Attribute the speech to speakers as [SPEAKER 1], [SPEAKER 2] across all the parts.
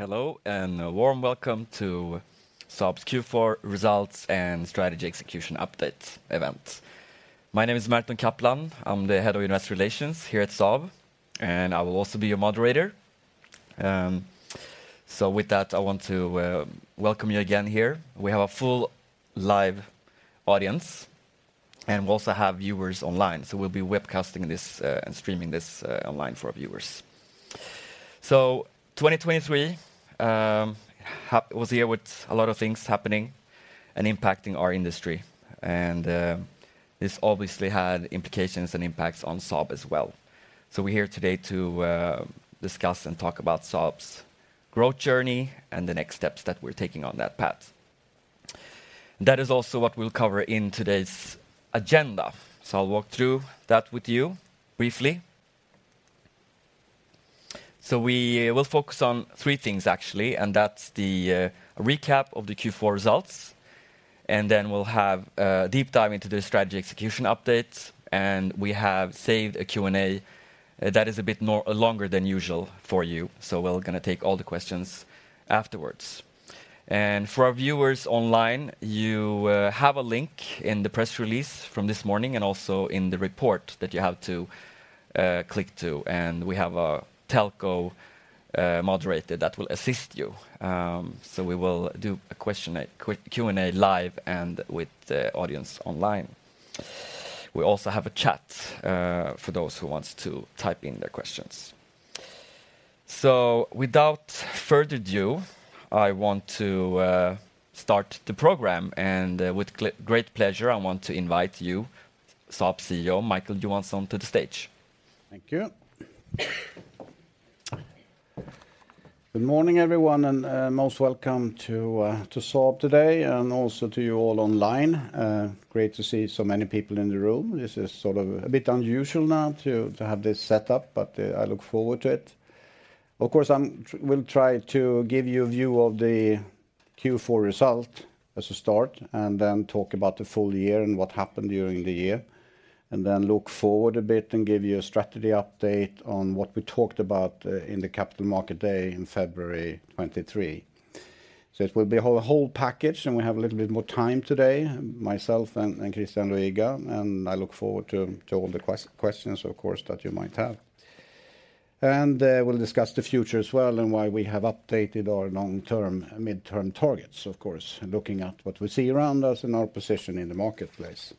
[SPEAKER 1] Hello and a warm welcome to Saab's Q4 Results and Strategy Execution Update event. My name is Merton Kaplan, I'm the Head of Investor Relations here at Saab, and I will also be your moderator. So with that, I want to welcome you again here. We have a full live audience, and we also have viewers online, so we'll be webcasting this and streaming this online for our viewers. So 2023 was a year with a lot of things happening and impacting our industry, and this obviously had implications and impacts on Saab as well. So we're here today to discuss and talk about Saab's growth journey and the next steps that we're taking on that path. That is also what we'll cover in today's agenda, so I'll walk through that with you briefly. So we will focus on three things, actually, and that's the recap of the Q4 results, and then we'll have a deep dive into the strategy execution updates, and we have saved a Q&A that is a bit longer than usual for you, so we're going to take all the questions afterwards. And for our viewers online, you have a link in the press release from this morning and also in the report that you have to click to, and we have a telco moderator that will assist you. So we will do a Q&A live and with the audience online. We also have a chat for those who want to type in their questions. So without further ado, I want to start the program, and with great pleasure, I want to invite you, Saab CEO Micael Johansson, to the stage.
[SPEAKER 2] Thank you. Good morning, everyone, and most welcome to Saab today and also to you all online. Great to see so many people in the room. This is sort of a bit unusual now to have this setup, but I look forward to it. Of course, I will try to give you a view of the Q4 result as a start and then talk about the full-year and what happened during the year, and then look forward a bit and give you a strategy update on what we talked about in the Capital Market Day in February 2023. So it will be a whole package, and we have a little bit more time today, myself and Christian Hedelin, and I look forward to all the questions, of course, that you might have. We'll discuss the future as well and why we have updated our long-term, mid-term targets, of course, looking at what we see around us and our position in the marketplace.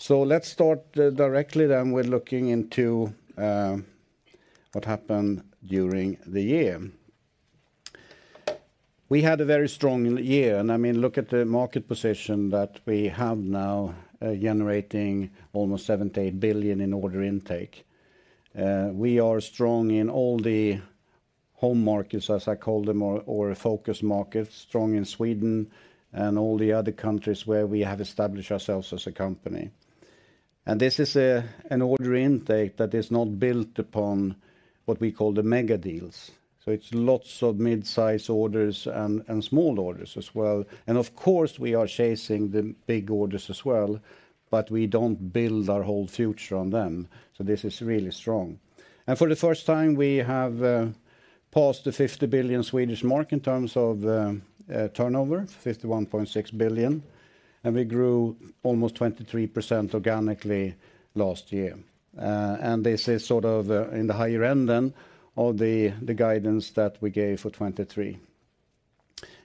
[SPEAKER 2] So let's start directly then with looking into what happened during the year. We had a very strong year, and I mean, look at the market position that we have now generating almost 7 billion-8 billion in order intake. We are strong in all the home markets, as I call them, or focus markets, strong in Sweden and all the other countries where we have established ourselves as a company. And this is an order intake that is not built upon what we call the mega deals. So it's lots of midsize orders and small orders as well. And of course, we are chasing the big orders as well, but we don't build our whole future on them. So this is really strong. For the first time, we have passed the 50 billion mark in terms of turnover, 51.6 billion, and we grew almost 23% organically last year. This is sort of in the higher end then of the guidance that we gave for 2023.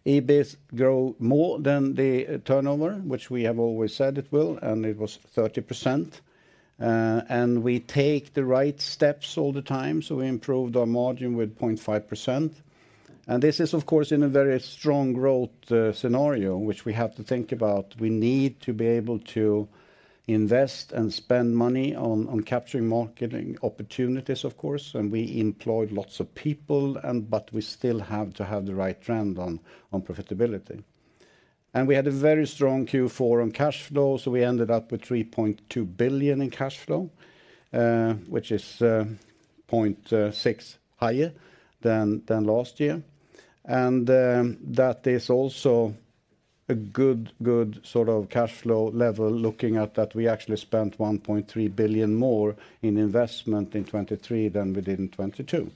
[SPEAKER 2] EBIT grow more than the turnover, which we have always said it will, and it was 30%. We take the right steps all the time, so we improved our margin with 0.5%. This is, of course, in a very strong growth scenario, which we have to think about. We need to be able to invest and spend money on capturing marketing opportunities, of course, and we employed lots of people, but we still have to have the right trend on profitability. We had a very strong Q4 on cash flow, so we ended up with 3.2 billion in cash flow, which is 0.6 billion higher than last year. That is also a good sort of cash flow level looking at that we actually spent 1.3 billion more in investment in 2023 than we did in 2022.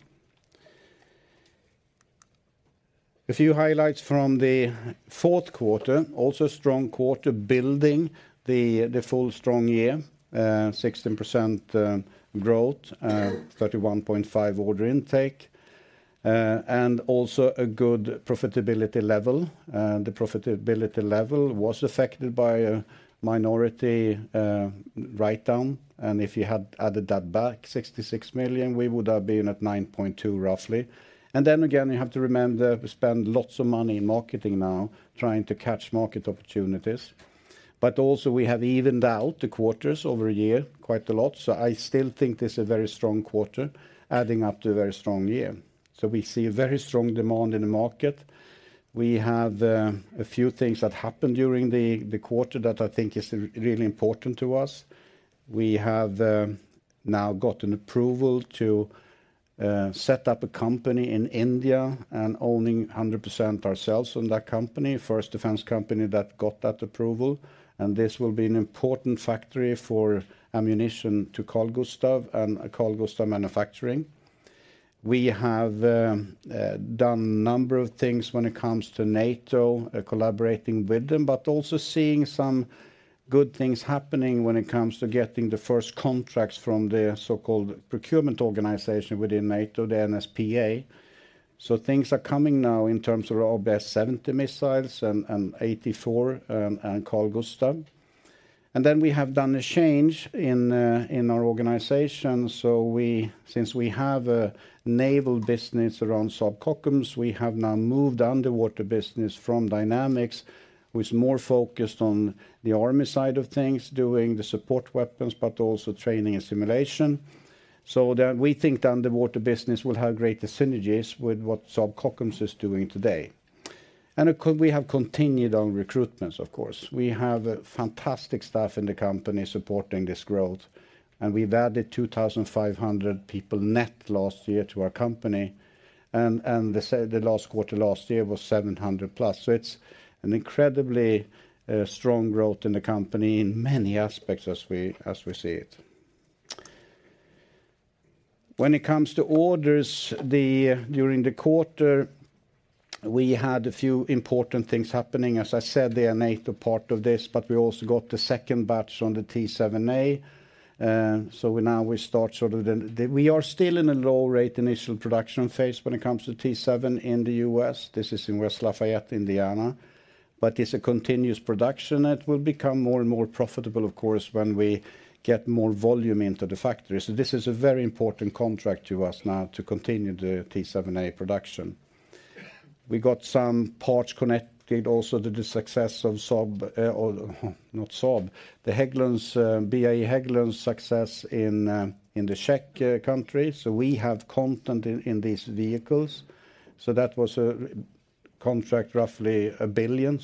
[SPEAKER 2] A few highlights from the fourth quarter, also a strong quarter building the full strong year, 16% growth, 31.5 billion order intake, and also a good profitability level. The profitability level was affected by a minority write-down, and if you had added that back, 66 million, we would have been at 9.2% roughly. Then again, you have to remember we spend lots of money in marketing now trying to catch market opportunities. But also we have evened out the quarters over a year quite a lot, so I still think this is a very strong quarter adding up to a very strong year. So we see a very strong demand in the market. We have a few things that happened during the quarter that I think is really important to us. We have now gotten approval to set up a company in India and owning 100% ourselves on that company, first defense company that got that approval, and this will be an important factory for ammunition to Carl-Gustaf and Carl-Gustaf manufacturing. We have done a number of things when it comes to NATO, collaborating with them, but also seeing some good things happening when it comes to getting the first contracts from the so-called procurement organization within NATO, the NSPA. So things are coming now in terms of RBS-70 missiles and AT4 and Carl-Gustaf. And then we have done a change in our organization, so since we have a naval business around Saab Kockums, we have now moved the underwater business from Dynamics, which is more focused on the army side of things, doing the support weapons, but also training and simulation. So we think the underwater business will have greater synergies with what Saab Kockums is doing today. And we have continued on recruitments, of course. We have a fantastic staff in the company supporting this growth, and we've added 2,500 people net last year to our company, and the last quarter last year was 700+. So it's an incredibly strong growth in the company in many aspects as we see it. When it comes to orders, during the quarter, we had a few important things happening. As I said, the NATO part of this, but we also got the second batch on the T-7A. So now we start sort of the we are still in a low-rate initial production phase when it comes to T-7A in the U.S. This is in West Lafayette, Indiana. But it's a continuous production. It will become more and more profitable, of course, when we get more volume into the factory. So this is a very important contract to us now to continue the T-7A production. We got some parts connected also to the success of Saab not Saab, the Hägglunds, BAE Hägglunds success in the Czech Republic. So we have content in these vehicles. So that was a contract roughly 1 billion.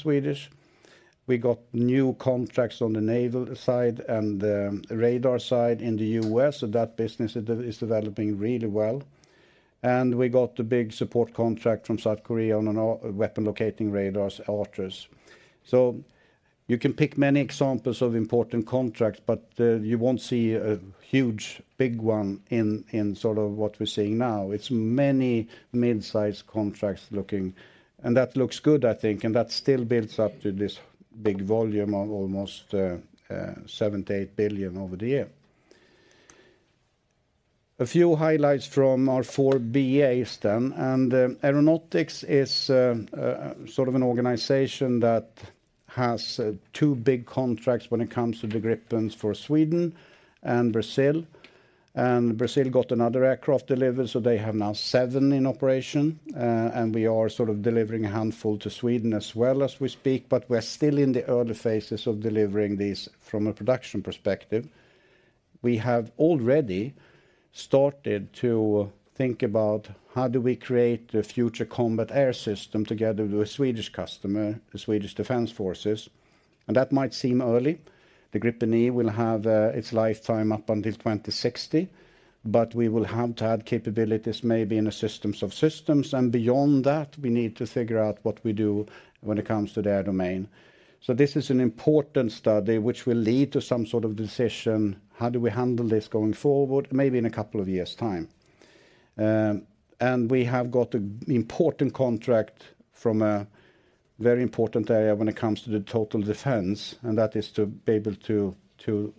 [SPEAKER 2] We got new contracts on the naval side and radar side in the U.S., so that business is developing really well. We got the big support contract from South Korea on weapon locating radars, ARTHUR. You can pick many examples of important contracts, but you won't see a huge, big one in sort of what we're seeing now. It's many midsize contracts looking and that looks good, I think, and that still builds up to this big volume of almost 7 billion-8 billion over the year. A few highlights from our four BAs then. Aeronautics is sort of an organization that has two big contracts when it comes to the Gripen for Sweden and Brazil. Brazil got another aircraft delivered, so they have now seven in operation. We are sort of delivering a handful to Sweden as well as we speak, but we're still in the early phases of delivering these from a production perspective. We have already started to think about how do we create the future combat air system together with the Swedish customer, the Swedish Defense Forces. That might seem early. The Gripen E will have its lifetime up until 2060, but we will have to add capabilities maybe in the systems of systems. Beyond that, we need to figure out what we do when it comes to the air domain. This is an important study which will lead to some sort of decision, how do we handle this going forward, maybe in a couple of years' time. We have got an important contract from a very important area when it comes to the total defense, and that is to be able to do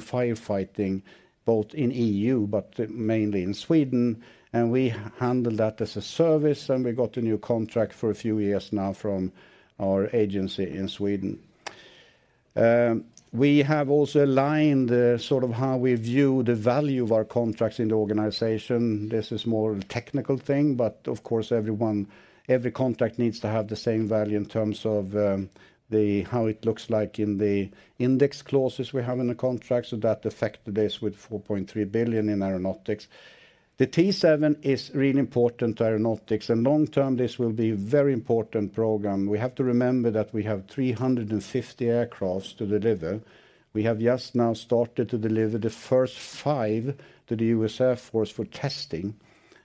[SPEAKER 2] firefighting both in EU but mainly in Sweden. We handle that as a service, and we got a new contract for a few years now from our agency in Sweden. We have also aligned sort of how we view the value of our contracts in the organization. This is more of a technical thing, but of course, every contract needs to have the same value in terms of how it looks like in the index clauses we have in the contract. So that affected this with 4.3 billion in Aeronautics. The T7 is really important to Aeronautics, and long-term, this will be a very important program. We have to remember that we have 350 aircraft to deliver. We have just now started to deliver the first five to the U.S. Air Force for testing.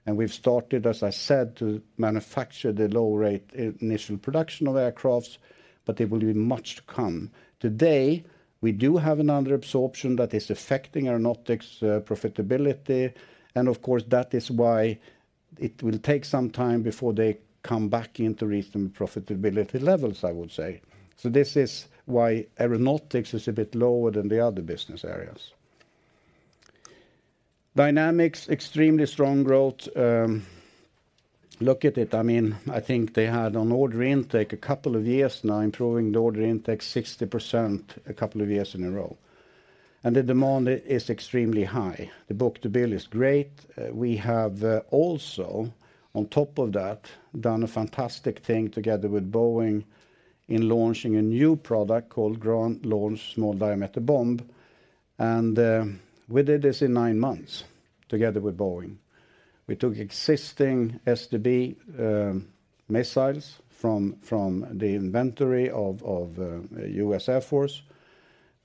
[SPEAKER 2] And we've started, as I said, to manufacture the low-rate initial production of aircraft, but there will be much to come. Today, we do have an underabsorption that is affecting Aeronautics profitability. And of course, that is why it will take some time before they come back into reasonable profitability levels, I would say. So this is why Aeronautics is a bit lower than the other business areas. Dynamics, extremely strong growth. Look at it. I mean, I think they had on order intake a couple of years now, improving the order intake 60% a couple of years in a row. And the demand is extremely high. The book-to-bill is great. We have also, on top of that, done a fantastic thing together with Boeing in launching a new product called Ground-Launched Small Diameter Bomb. And we did this in nine months together with Boeing. We took existing SDB missiles from the inventory of the U.S. Air Force.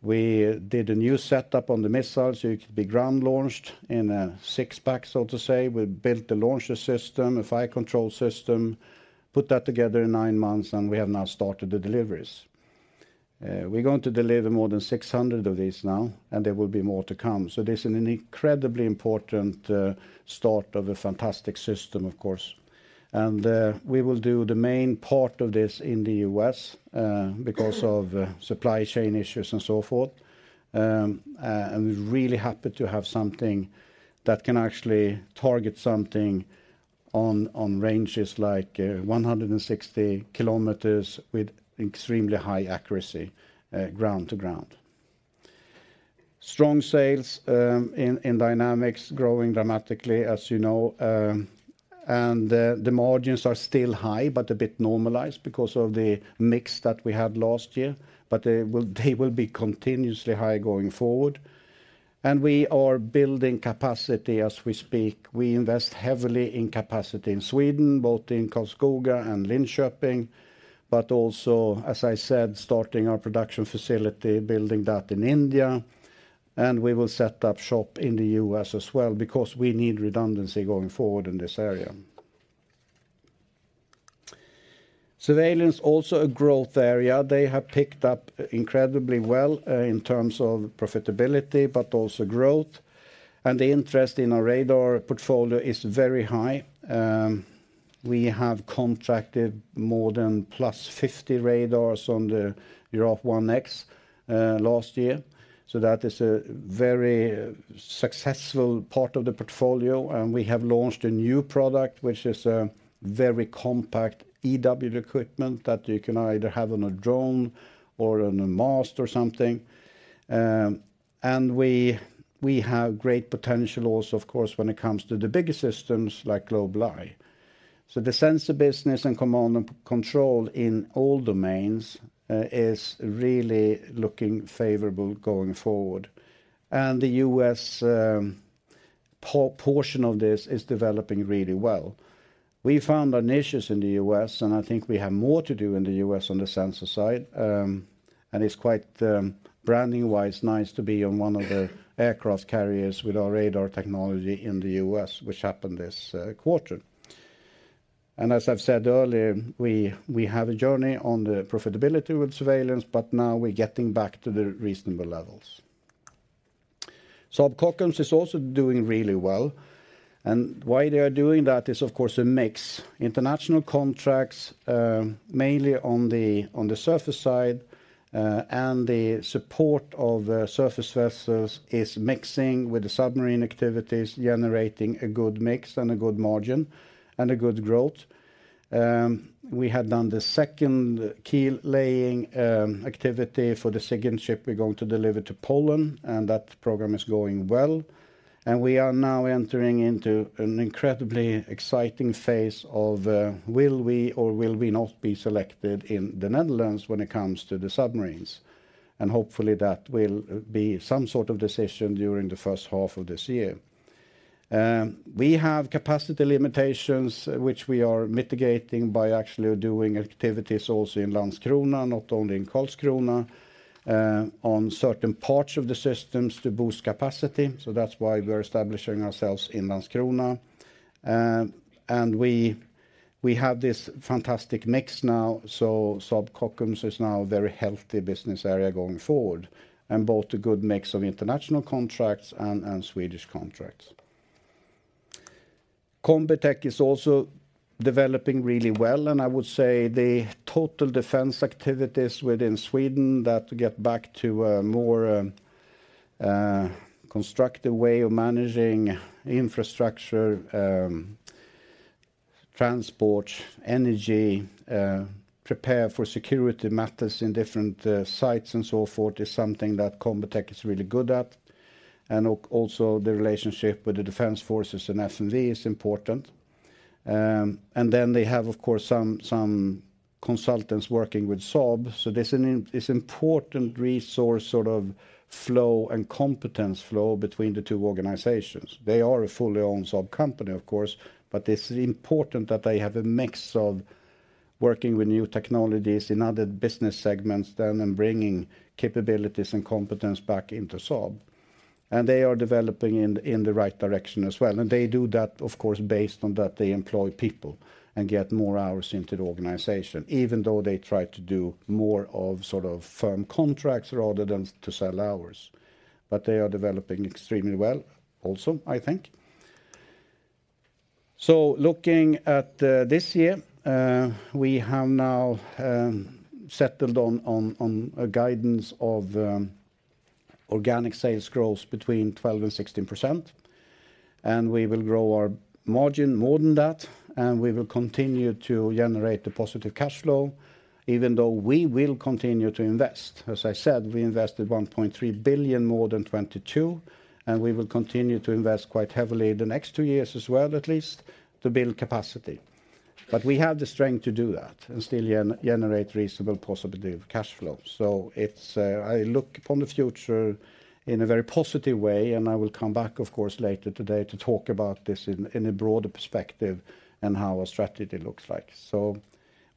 [SPEAKER 2] We did a new setup on the missiles so it could be ground-launched in a six-pack, so to say. We built the launcher system, a fire control system, put that together in nine months, and we have now started the deliveries. We're going to deliver more than 600 of these now, and there will be more to come. So this is an incredibly important start of a fantastic system, of course. We will do the main part of this in the U.S. because of supply chain issues and so forth. We're really happy to have something that can actually target something on ranges like 160 km with extremely high accuracy, ground to ground. Strong sales in Dynamics, growing dramatically, as you know. The margins are still high but a bit normalized because of the mix that we had last year. But they will be continuously high going forward. And we are building capacity as we speak. We invest heavily in capacity in Sweden, both in Karlskoga and Linköping, but also, as I said, starting our production facility, building that in India. And we will set up shop in the U.S. as well because we need redundancy going forward in this area. Surveillance, also a growth area. They have picked up incredibly well in terms of profitability but also growth. And the interest in our radar portfolio is very high. We have contracted more than +50 radars on the Giraffe 1X last year. So that is a very successful part of the portfolio. And we have launched a new product, which is a very compact EW equipment that you can either have on a drone or on a mast or something. And we have great potential also, of course, when it comes to the bigger systems like GlobalEye. So the sensor business and command and control in all domains is really looking favorable going forward. And the U.S. portion of this is developing really well. We found our niches in the U.S., and I think we have more to do in the U.S. on the sensor side. And it's quite, branding-wise, nice to be on one of the aircraft carriers with our radar technology in the U.S., which happened this quarter. And as I've said earlier, we have a journey on the profitability with surveillance, but now we're getting back to the reasonable levels. Saab Kockums is also doing really well. And why they are doing that is, of course, a mix. International contracts, mainly on the surface side, and the support of surface vessels is mixing with the submarine activities, generating a good mix and a good margin and a good growth. We had done the second keel laying activity for the SIGINT ship we're going to deliver to Poland, and that program is going well. We are now entering into an incredibly exciting phase of will we or will we not be selected in the Netherlands when it comes to the submarines? Hopefully, that will be some sort of decision during the first half of this year. We have capacity limitations, which we are mitigating by actually doing activities also in Landskrona, not only in Karlskrona, on certain parts of the systems to boost capacity. That's why we are establishing ourselves in Landskrona. We have this fantastic mix now, so Saab Kockums is now a very healthy business area going forward, and both a good mix of international contracts and Swedish contracts. Combitech is also developing really well, and I would say the total defense activities within Sweden that get back to a more constructive way of managing infrastructure, transport, energy, prepare for security matters in different sites and so forth is something that Combitech is really good at. And also, the relationship with the Defense Forces and FMV is important. And then they have, of course, some consultants working with Saab. So this is an important resource sort of flow and competence flow between the two organizations. They are a fully owned Saab company, of course, but it's important that they have a mix of working with new technologies in other business segments then and bringing capabilities and competence back into Saab. They are developing in the right direction as well. They do that, of course, based on that they employ people and get more hours into the organization, even though they try to do more of sort of firm contracts rather than to sell hours. But they are developing extremely well also, I think. Looking at this year, we have now settled on a guidance of organic sales growth between 12%-16%. We will grow our margin more than that, and we will continue to generate the positive cash flow, even though we will continue to invest. As I said, we invested 1.3 billion more than 2022, and we will continue to invest quite heavily the next two years as well, at least, to build capacity. But we have the strength to do that and still generate reasonable, positive cash flow. So I look upon the future in a very positive way, and I will come back, of course, later today to talk about this in a broader perspective and how our strategy looks like. So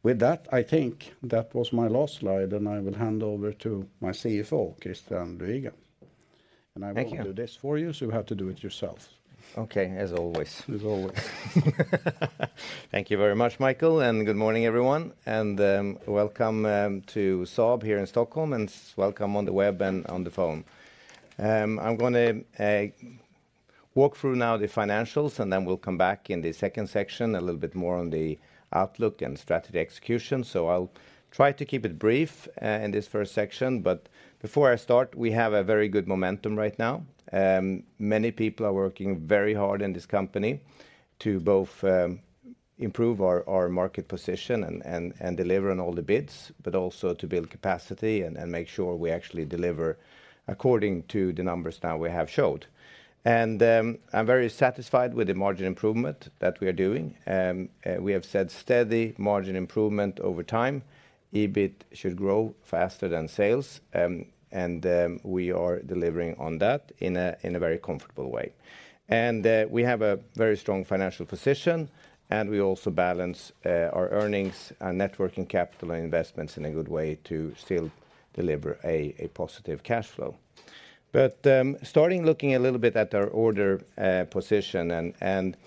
[SPEAKER 2] with that, I think that was my last slide, and I will hand over to my CFO, Christian Luiga. And I won't do this for you, so you have to do it yourself.
[SPEAKER 3] Okay, as always. As always. Thank you very much, Micael, and good morning, everyone. Welcome to Saab here in Stockholm and welcome on the web and on the phone. I'm going to walk through now the financials, and then we'll come back in the second section a little bit more on the outlook and strategy execution. So I'll try to keep it brief in this first section. But before I start, we have a very good momentum right now. Many people are working very hard in this company to both improve our market position and deliver on all the bids, but also to build capacity and make sure we actually deliver according to the numbers now we have showed. And I'm very satisfied with the margin improvement that we are doing. We have said steady margin improvement over time. EBIT should grow faster than sales, and we are delivering on that in a very comfortable way. We have a very strong financial position, and we also balance our earnings and net working capital and investments in a good way to still deliver a positive cash flow. But start looking a little bit at our order position, and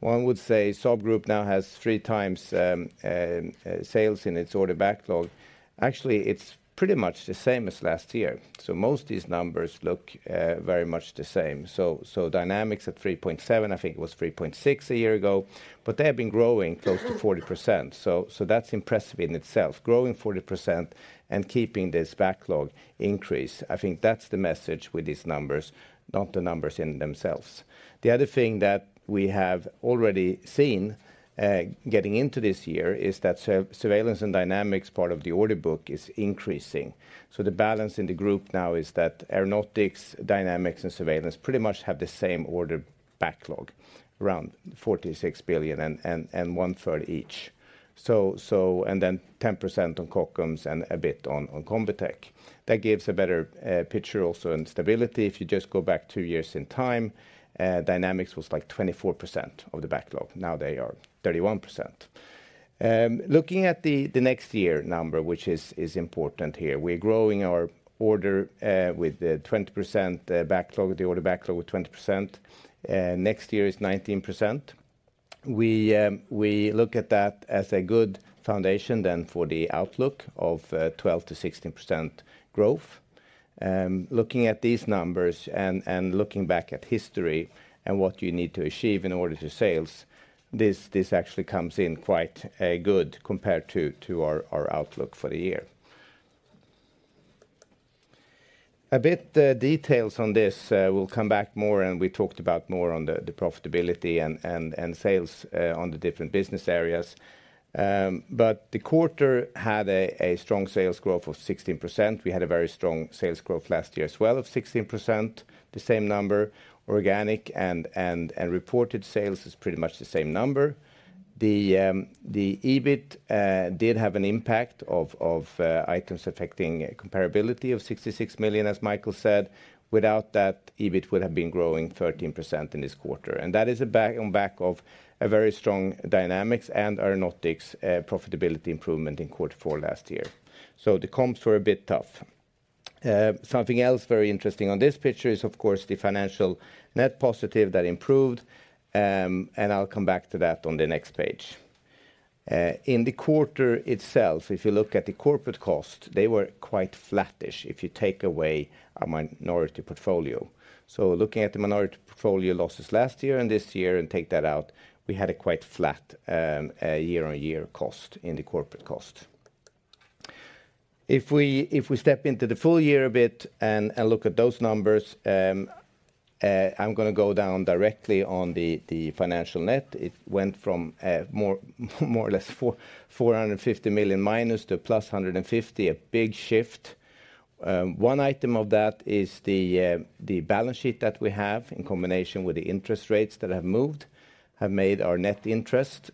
[SPEAKER 3] one would say Saab Group now has three times sales in its order backlog. Actually, it's pretty much the same as last year. So most of these numbers look very much the same. So Dynamics at 3.7, I think it was 3.6 a year ago, but they have been growing close to 40%. So that's impressive in itself, growing 40% and keeping this backlog increase. I think that's the message with these numbers, not the numbers in themselves. The other thing that we have already seen getting into this year is that Surveillance and Dynamics part of the order book is increasing. So the balance in the group now is that Aeronautics, Dynamics, and Surveillance pretty much have the same order backlog around 46 billion and one-third each. And then 10% on Kockums and a bit on Combitech. That gives a better picture also and stability. If you just go back two years in time, Dynamics was like 24% of the backlog. Now they are 31%. Looking at the next year number, which is important here, we're growing our order with the 20% backlog, the order backlog with 20%. Next year is 19%. We look at that as a good foundation then for the outlook of 12%-16% growth. Looking at these numbers and looking back at history and what you need to achieve in order to sales, this actually comes in quite good compared to our outlook for the year. A bit details on this. We'll come back more, and we talked about more on the profitability and sales on the different business areas. But the quarter had a strong sales growth of 16%. We had a very strong sales growth last year as well of 16%, the same number. Organic and reported sales is pretty much the same number. The EBIT did have an impact of items affecting comparability of 66 million, as Micael said. Without that, EBIT would have been growing 13% in this quarter. And that is on back of a very strong Dynamics and Aeronautics profitability improvement in quarter four last year. So the comps were a bit tough. Something else very interesting on this picture is, of course, the financial net positive that improved. And I'll come back to that on the next page. In the quarter itself, if you look at the corporate cost, they were quite flattish if you take away our minority portfolio. So looking at the minority portfolio losses last year and this year and take that out, we had a quite flat year-on-year cost in the corporate cost. If we step into the full-year a bit and look at those numbers, I'm going to go down directly on the financial net. It went from more or less -450 million to +150 million, a big shift. One item of that is the balance sheet that we have in combination with the interest rates that have moved, have made our net interest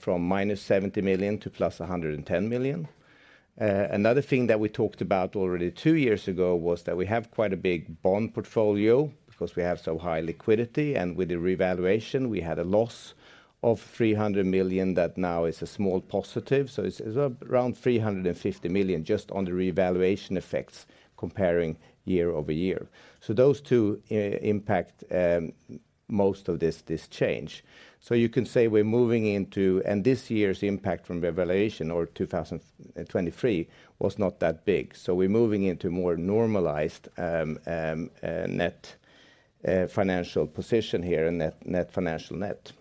[SPEAKER 3] from -70 million to +110 million. Another thing that we talked about already two years ago was that we have quite a big bond portfolio because we have so high liquidity. With the revaluation, we had a loss of 300 million that now is a small positive. It's around 350 million just on the revaluation effects comparing year-over-year. Those two impact most of this change. You can say we're moving into and this year's impact from revaluation or 2023 was not that big. We're moving into a more normalized net financial position here and net financial net.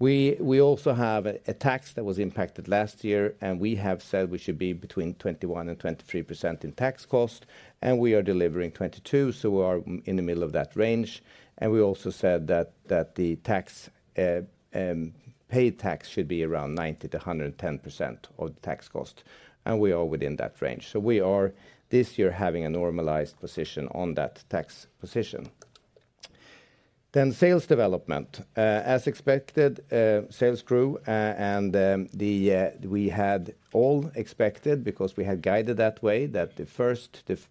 [SPEAKER 3] We also have a tax that was impacted last year, and we have said we should be between 21%-23% in tax cost. We are delivering 22%, so we are in the middle of that range. We also said that the paid tax should be around 90%-110% of the tax cost. We are within that range. We are this year having a normalized position on that tax position. Then sales development. As expected, sales grew, and we had all expected because we had guided that way that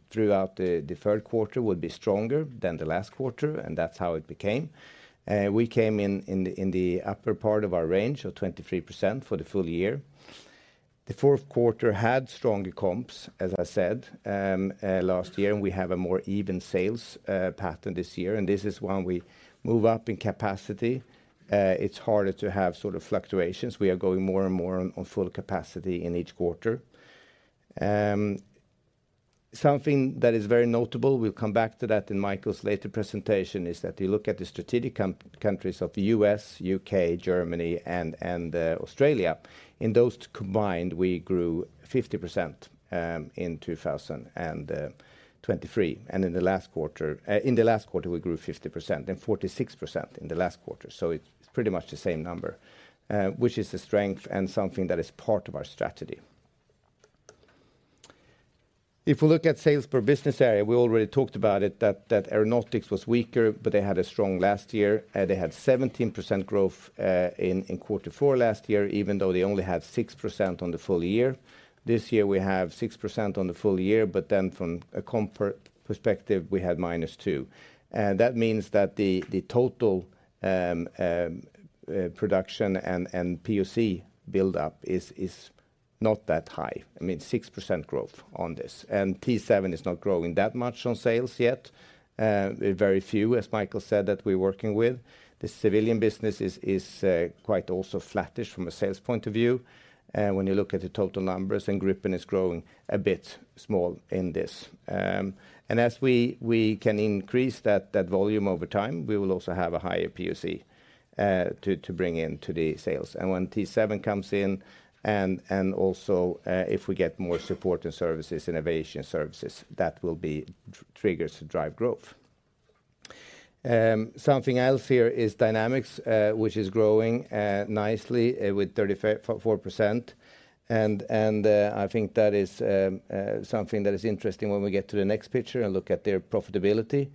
[SPEAKER 3] throughout the third quarter would be stronger than the last quarter, and that's how it became. We came in the upper part of our range of 23% for the full-year. The fourth quarter had stronger comps, as I said, last year, and we have a more even sales pattern this year. And this is when we move up in capacity. It's harder to have sort of fluctuations. We are going more and more on full capacity in each quarter. Something that is very notable, we'll come back to that in Micael's later presentation, is that you look at the strategic countries of the U.S., U.K., Germany, and Australia. In those combined, we grew 50% in 2023. In the last quarter, in the last quarter, we grew 50% and 46% in the last quarter. So it's pretty much the same number, which is a strength and something that is part of our strategy. If we look at sales per business area, we already talked about it, that Aeronautics was weaker, but they had a strong last year. They had 17% growth in quarter four last year, even though they only had 6% on the full-year. This year, we have 6% on the full-year, but then from a comp perspective, we had -2%. That means that the total production and POC buildup is not that high. I mean, 6% growth on this. And T7 is not growing that much on sales yet. Very few, as Micael said, that we're working with. The civilian business is quite also flattish from a sales point of view. When you look at the total numbers, then Gripen is growing a bit small in this. As we can increase that volume over time, we will also have a higher POC to bring into the sales. When T7 comes in and also if we get more support and services, innovation services, that will be triggers to drive growth. Something else here is Dynamics, which is growing nicely with 34%. I think that is something that is interesting when we get to the next picture and look at their profitability.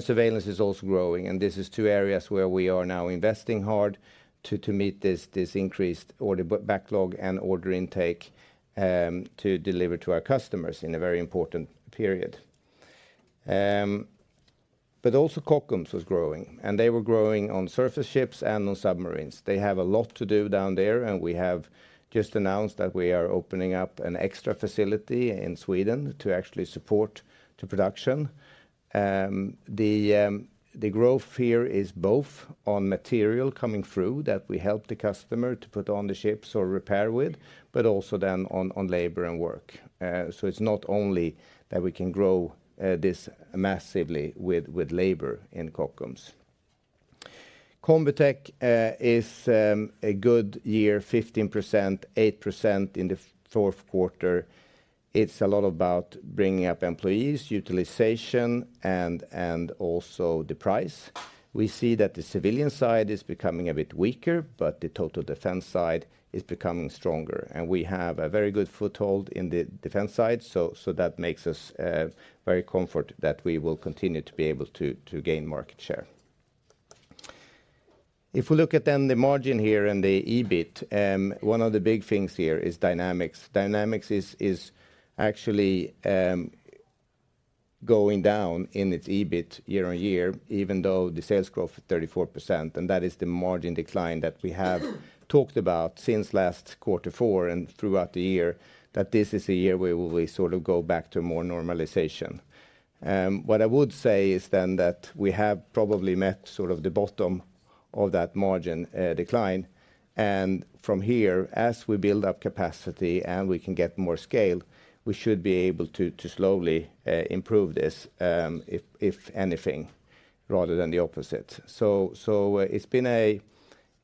[SPEAKER 3] Surveillance is also growing. This is two areas where we are now investing hard to meet this increased order backlog and order intake to deliver to our customers in a very important period. But also Kockums was growing, and they were growing on surface ships and on submarines. They have a lot to do down there, and we have just announced that we are opening up an extra facility in Sweden to actually support production. The growth here is both on material coming through that we help the customer to put on the ships or repair with, but also then on labor and work. So it's not only that we can grow this massively with labor in Kockums. Combitech is a good year, 15%, 8% in the fourth quarter. It's a lot about bringing up employees, utilization, and also the price. We see that the civilian side is becoming a bit weaker, but the total defense side is becoming stronger. We have a very good foothold in the defense side, so that makes us very comforted that we will continue to be able to gain market share. If we look at then the margin here and the EBIT, one of the big things here is Dynamics. Dynamics is actually going down in its EBIT year-on-year, even though the sales growth is 34%. And that is the margin decline that we have talked about since last quarter four and throughout the year, that this is a year where we will sort of go back to more normalization. What I would say is then that we have probably met sort of the bottom of that margin decline. And from here, as we build up capacity and we can get more scale, we should be able to slowly improve this, if anything, rather than the opposite. So it's been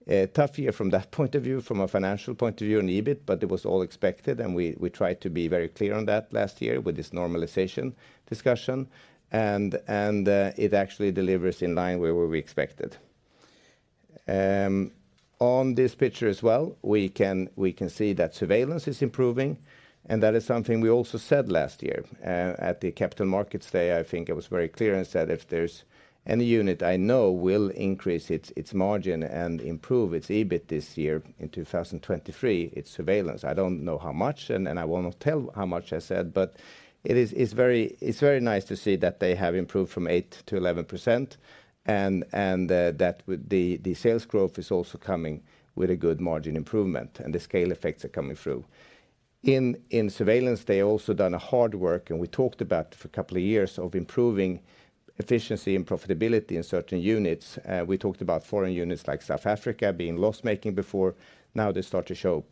[SPEAKER 3] a tough year from that point of view, from a financial point of view and EBIT, but it was all expected. We tried to be very clear on that last year with this normalization discussion. It actually delivers in line with what we expected. On this picture as well, we can see that Surveillance is improving. That is something we also said last year at the Capital Markets Day. I think I was very clear and said if there's any unit I know will increase its margin and improve its EBIT this year in 2023, it's Surveillance. I don't know how much, and I won't tell how much I said, but it's very nice to see that they have improved from 8% to 11%. That the sales growth is also coming with a good margin improvement, and the scale effects are coming through. In surveillance, they have also done hard work, and we talked about for a couple of years of improving efficiency and profitability in certain units. We talked about foreign units like South Africa being loss-making before. Now they start to show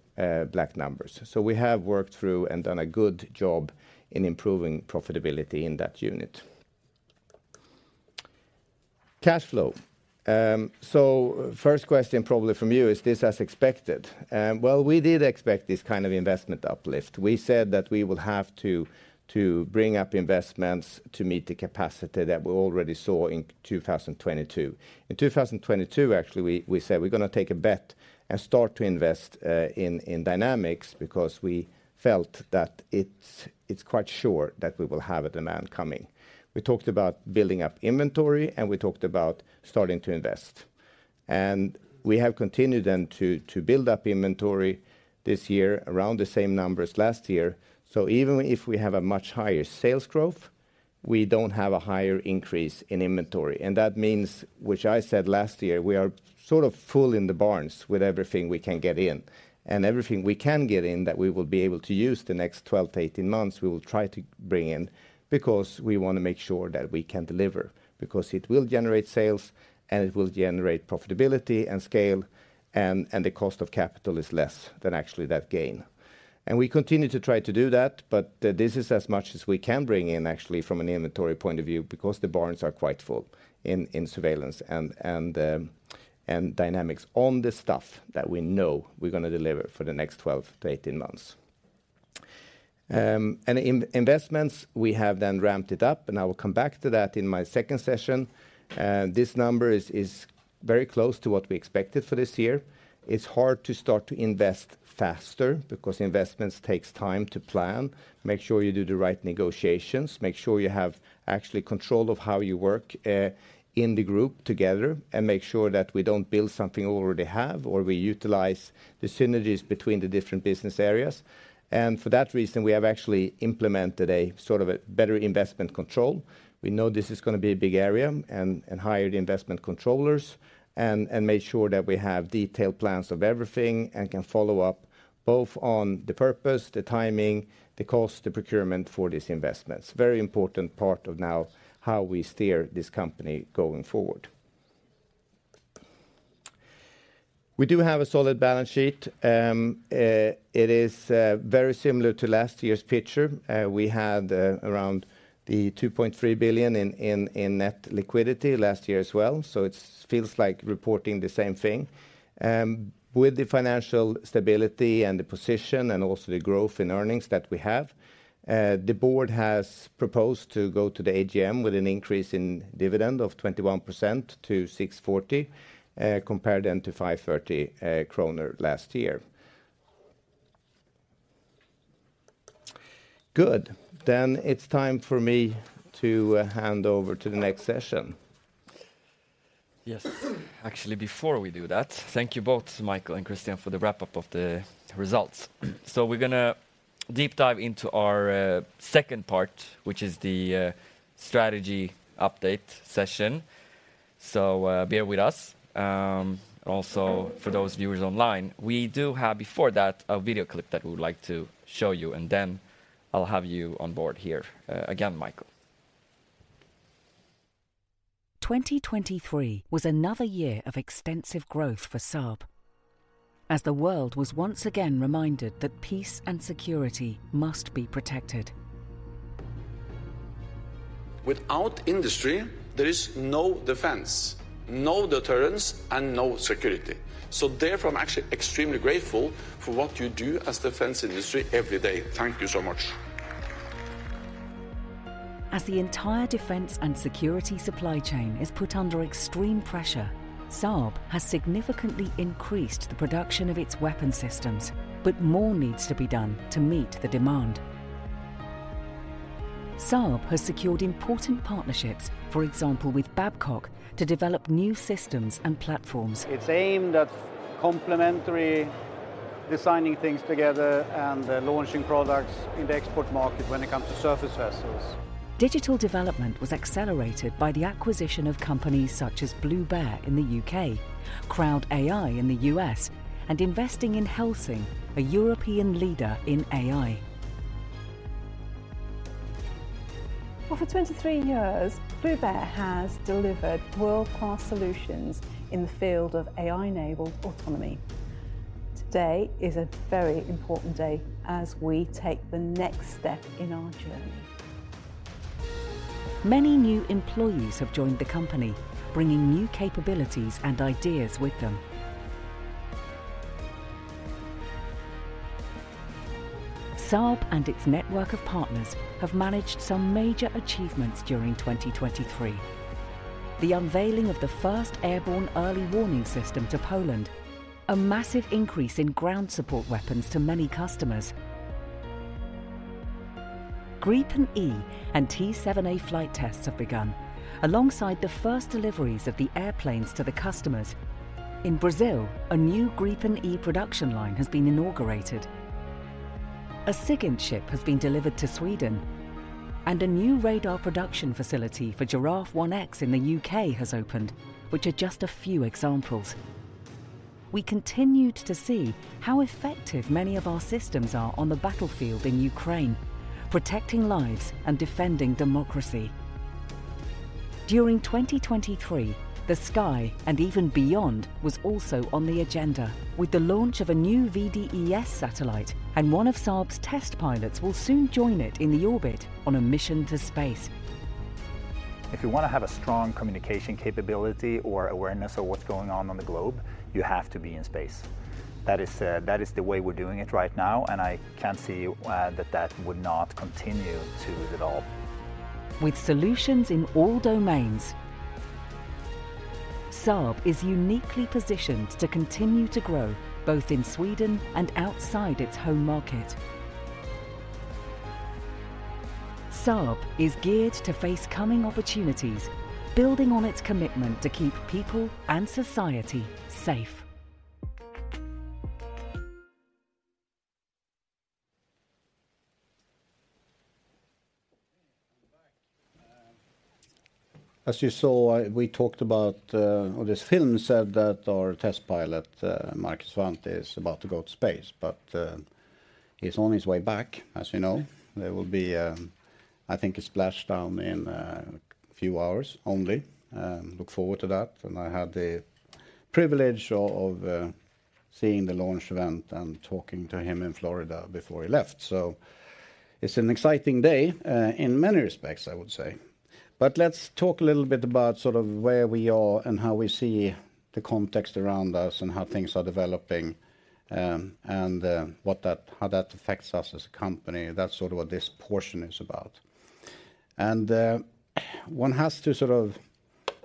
[SPEAKER 3] black numbers. So we have worked through and done a good job in improving profitability in that unit. Cash flow. So first question probably from you is, is this as expected? Well, we did expect this kind of investment uplift. We said that we will have to bring up investments to meet the capacity that we already saw in 2022. In 2022, actually, we said we're going to take a bet and start to invest in Dynamics because we felt that it's quite sure that we will have a demand coming. We talked about building up inventory, and we talked about starting to invest. And we have continued then to build up inventory this year around the same numbers last year. So even if we have a much higher sales growth, we don't have a higher increase in inventory. And that means, which I said last year, we are sort of full in the barns with everything we can get in. And everything we can get in that we will be able to use [in] the next 12-18 months, we will try to bring in because we want to make sure that we can deliver because it will generate sales, and it will generate profitability and scale, and the cost of capital is less than actually that gain. We continue to try to do that, but this is as much as we can bring in actually from an inventory point of view because the barns are quite full in Surveillance and Dynamics on the stuff that we know we're going to deliver for the next 12-18 months. And investments, we have then ramped it up, and I will come back to that in my second session. This number is very close to what we expected for this year. It's hard to start to invest faster because investments take time to plan. Make sure you do the right negotiations. Make sure you have actually control of how you work in the group together and make sure that we don't build something we already have or we utilize the synergies between the different business areas. And for that reason, we have actually implemented a sort of better investment control. We know this is going to be a big area and hired investment controllers and made sure that we have detailed plans of everything and can follow up both on the purpose, the timing, the cost, the procurement for these investments. Very important part of now how we steer this company going forward. We do have a solid balance sheet. It is very similar to last year's picture. We had around 2.3 billion in net liquidity last year as well. So it feels like reporting the same thing. With the financial stability and the position and also the growth in earnings that we have, the board has proposed to go to the AGM with an increase in dividend of 21% to 640 compared then to 530 kronor last year.
[SPEAKER 2] Good. Then it's time for me to hand over to the next session.
[SPEAKER 1] Yes. Actually, before we do that, thank you both, Micael and Christian, for the wrap-up of the results. So we're going to deep dive into our second part, which is the strategy update session. So bear with us. And also for those viewers online, we do have before that a video clip that we would like to show you, and then I'll have you on board here again, Micael.
[SPEAKER 4] 2023 was another year of extensive growth for Saab, as the world was once again reminded that peace and security must be protected. Without industry, there is no defense, no deterrence, and no security. So therefore, I'm actually extremely grateful for what you do as the defense industry every day. Thank you so much. As the entire defense and security supply chain is put under extreme pressure, Saab has significantly increased the production of its weapon systems, but more needs to be done to meet the demand. Saab has secured important partnerships, for example, with Babcock to develop new systems and platforms. It's aimed at complementary designing things together and launching products in the export market when it comes to surface vessels. Digital development was accelerated by the acquisition of companies such as BlueBear in the UK, CrowdAI in the US, and investing in Helsing, a European leader in AI. Well, for 23 years, BlueBear has delivered world-class solutions in the field of AI-enabled autonomy. Today is a very important day as we take the next step in our journey. Many new employees have joined the company, bringing new capabilities and ideas with them. Saab and its network of partners have managed some major achievements during 2023: the unveiling of the first airborne early warning system to Poland, a massive increase in ground support weapons to many customers. Gripen E and T-7A flight tests have begun alongside the first deliveries of the airplanes to the customers. In Brazil, a new Gripen E production line has been inaugurated. A SIGINT ship has been delivered to Sweden, and a new radar production facility for Giraffe 1X in the U.K. has opened, which are just a few examples. We continued to see how effective many of our systems are on the battlefield in Ukraine, protecting lives and defending democracy. During 2023, the sky and even beyond was also on the agenda with the launch of a new VDES satellite, and one of Saab's test pilots will soon join it in the orbit on a mission to space. If you want to have a strong communication capability or awareness of what's going on on the globe, you have to be in space. That is the way we're doing it right now, and I can't see that that would not continue to develop. With solutions in all domains, Saab is uniquely positioned to continue to grow both in Sweden and outside its home market. Saab is geared to face coming opportunities, building on its commitment to keep people and society safe.
[SPEAKER 2] As you saw, we talked about this film said that our test pilot, Markus Wandt, is about to go to space, but he's on his way back, as you know. There will be, I think, a splashdown in a few hours only. Look forward to that. And I had the privilege of seeing the launch event and talking to him in Florida before he left. So it's an exciting day in many respects, I would say. But let's talk a little bit about sort of where we are and how we see the context around us and how things are developing and how that affects us as a company. That's sort of what this portion is about. And one has to sort of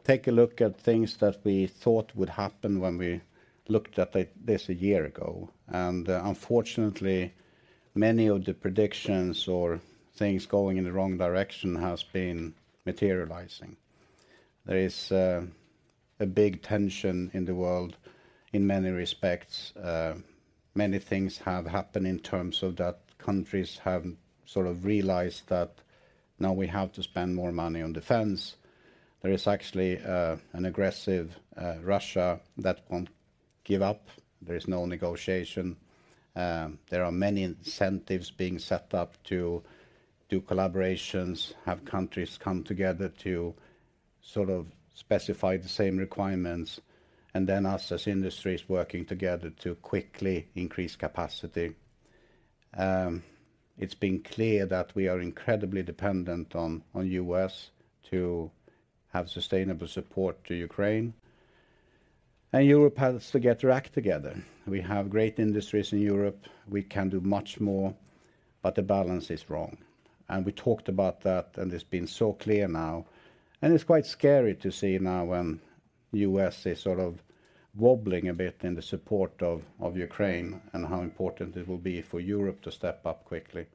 [SPEAKER 2] take a look at things that we thought would happen when we looked at this a year ago. Unfortunately, many of the predictions or things going in the wrong direction have been materializing. There is a big tension in the world in many respects. Many things have happened in terms of that countries have sort of realized that now we have to spend more money on defense. There is actually an aggressive Russia that won't give up. There is no negotiation. There are many incentives being set up to do collaborations, have countries come together to sort of specify the same requirements, and then us as industries working together to quickly increase capacity. It's been clear that we are incredibly dependent on the U.S. to have sustainable support to Ukraine. And Europe has to get her act together. We have great industries in Europe. We can do much more, but the balance is wrong. And we talked about that, and it's been so clear now. It's quite scary to see now when the U.S. is sort of wobbling a bit in the support of Ukraine and how important it will be for Europe to step up quickly.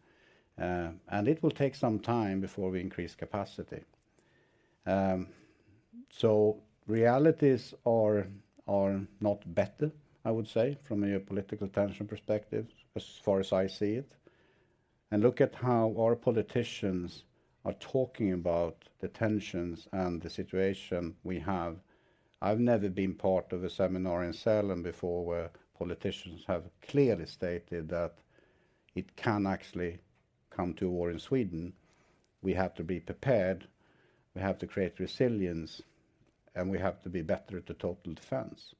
[SPEAKER 2] It will take some time before we increase capacity. So realities are not better, I would say, from a geopolitical tension perspective, as far as I see it. Look at how our politicians are talking about the tensions and the situation we have. I've never been part of a seminar in Sälen before where politicians have clearly stated that it can actually come to war in Sweden. We have to be prepared. We have to create resilience, and we have to be better at the total defense.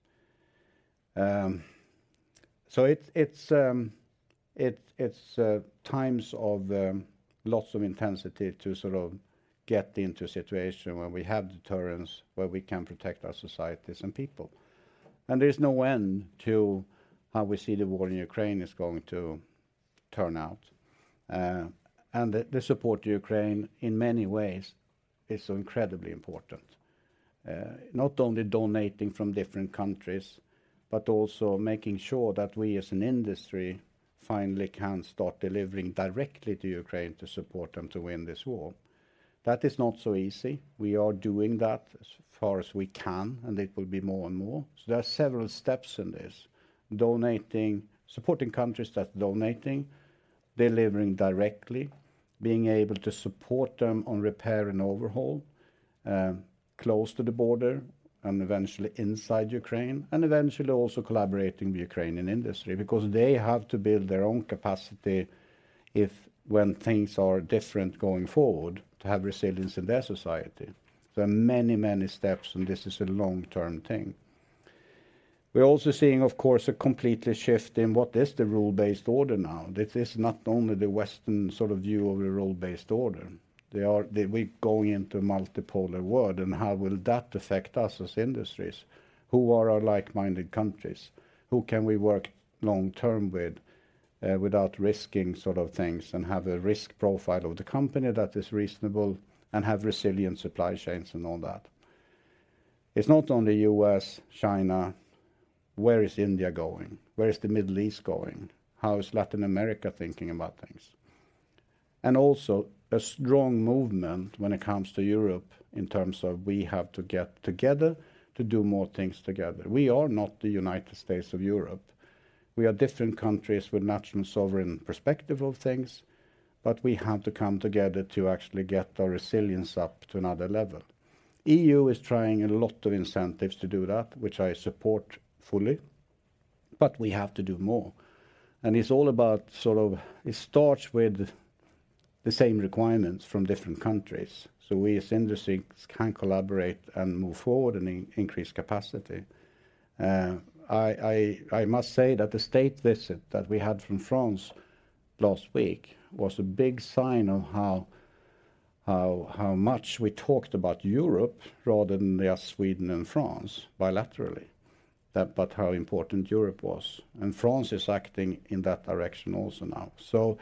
[SPEAKER 2] So it's times of lots of intensity to sort of get into a situation where we have deterrence, where we can protect our societies and people. There's no end to how we see the war in Ukraine is going to turn out. The support to Ukraine, in many ways, is so incredibly important, not only donating from different countries, but also making sure that we, as an industry, finally can start delivering directly to Ukraine to support them to win this war. That is not so easy. We are doing that as far as we can, and it will be more and more. There are several steps in this: supporting countries that's donating, delivering directly, being able to support them on repair and overhaul close to the border and eventually inside Ukraine, and eventually also collaborating with the Ukrainian industry because they have to build their own capacity when things are different going forward to have resilience in their society. There are many, many steps, and this is a long-term thing. We're also seeing, of course, a complete shift in what is the rule-based order now. This is not only the Western sort of view of the rule-based order. We're going into a multipolar world, and how will that affect us as industries? Who are our like-minded countries? Who can we work long-term with without risking sort of things and have a risk profile of the company that is reasonable and have resilient supply chains and all that? It's not only the U.S., China. Where is India going? Where is the Middle East going? How is Latin America thinking about things? And also a strong movement when it comes to Europe in terms of we have to get together to do more things together. We are not the United States of Europe. We are different countries with a national sovereign perspective of things, but we have to come together to actually get our resilience up to another level. The EU is trying a lot of incentives to do that, which I support fully. But we have to do more. And it's all about sort of it starts with the same requirements from different countries so we, as industries, can collaborate and move forward and increase capacity. I must say that the state visit that we had from France last week was a big sign of how much we talked about Europe rather than just Sweden and France bilaterally, but how important Europe was. And France is acting in that direction also now. So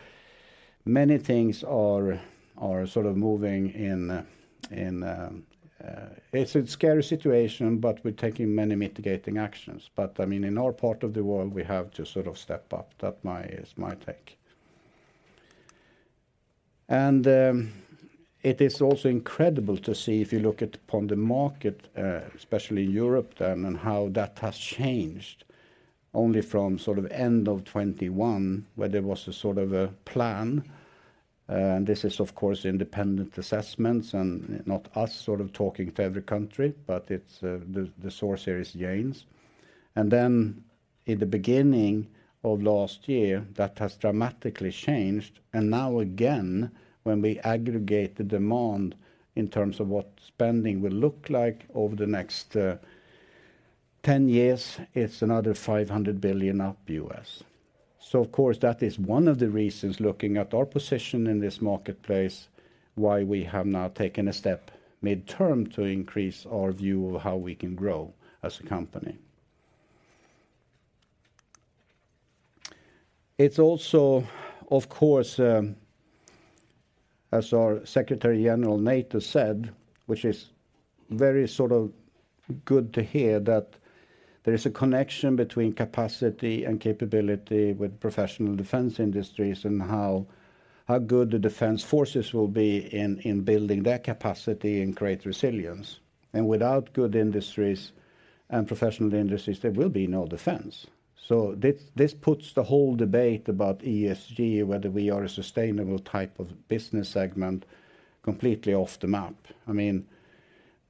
[SPEAKER 2] many things are sort of moving in it's a scary situation, but we're taking many mitigating actions. But I mean, in our part of the world, we have to sort of step up. That's my take. And it is also incredible to see if you look upon the market, especially in Europe then, and how that has changed only from sort of the end of 2021 where there was a sort of a plan. And this is, of course, independent assessments and not us sort of talking to every country, but the source here is Janes. And then in the beginning of last year, that has dramatically changed. And now again, when we aggregate the demand in terms of what spending will look like over the next 10 years, it's another $500 billion up US. So, of course, that is one of the reasons looking at our position in this marketplace, why we have now taken a step midterm to increase our view of how we can grow as a company. It's also, of course, as our Secretary-General NATO said, which is very sort of good to hear, that there is a connection between capacity and capability with professional defense industries and how good the defense forces will be in building their capacity and create resilience. And without good industries and professional industries, there will be no defense. So this puts the whole debate about ESG, whether we are a sustainable type of business segment, completely off the map. I mean,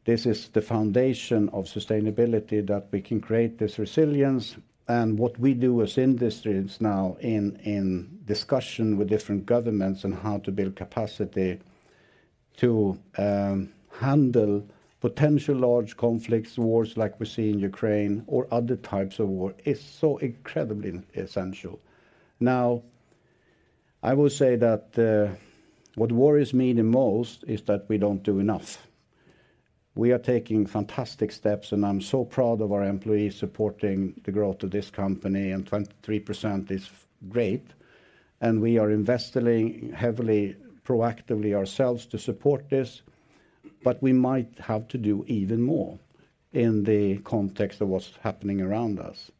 [SPEAKER 2] this is the foundation of sustainability that we can create this resilience. What we do as industries now in discussion with different governments and how to build capacity to handle potential large conflicts, wars like we see in Ukraine or other types of war, is so incredibly essential. Now, I will say that what worries me the most is that we don't do enough. We are taking fantastic steps, and I'm so proud of our employees supporting the growth of this company. 23% is great. We are investing heavily, proactively ourselves to support this. We might have to do even more in the context of what's happening around us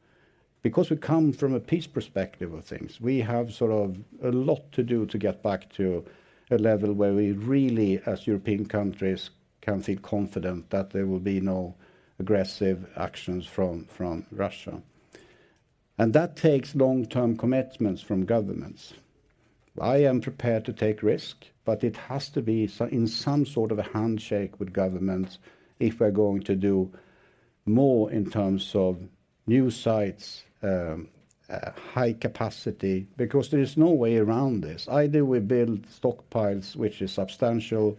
[SPEAKER 2] because we come from a peace perspective of things. We have sort of a lot to do to get back to a level where we really, as European countries, can feel confident that there will be no aggressive actions from Russia. That takes long-term commitments from governments. I am prepared to take risk, but it has to be in some sort of a handshake with governments if we're going to do more in terms of new sites, high capacity because there is no way around this. Either we build stockpiles, which is substantial,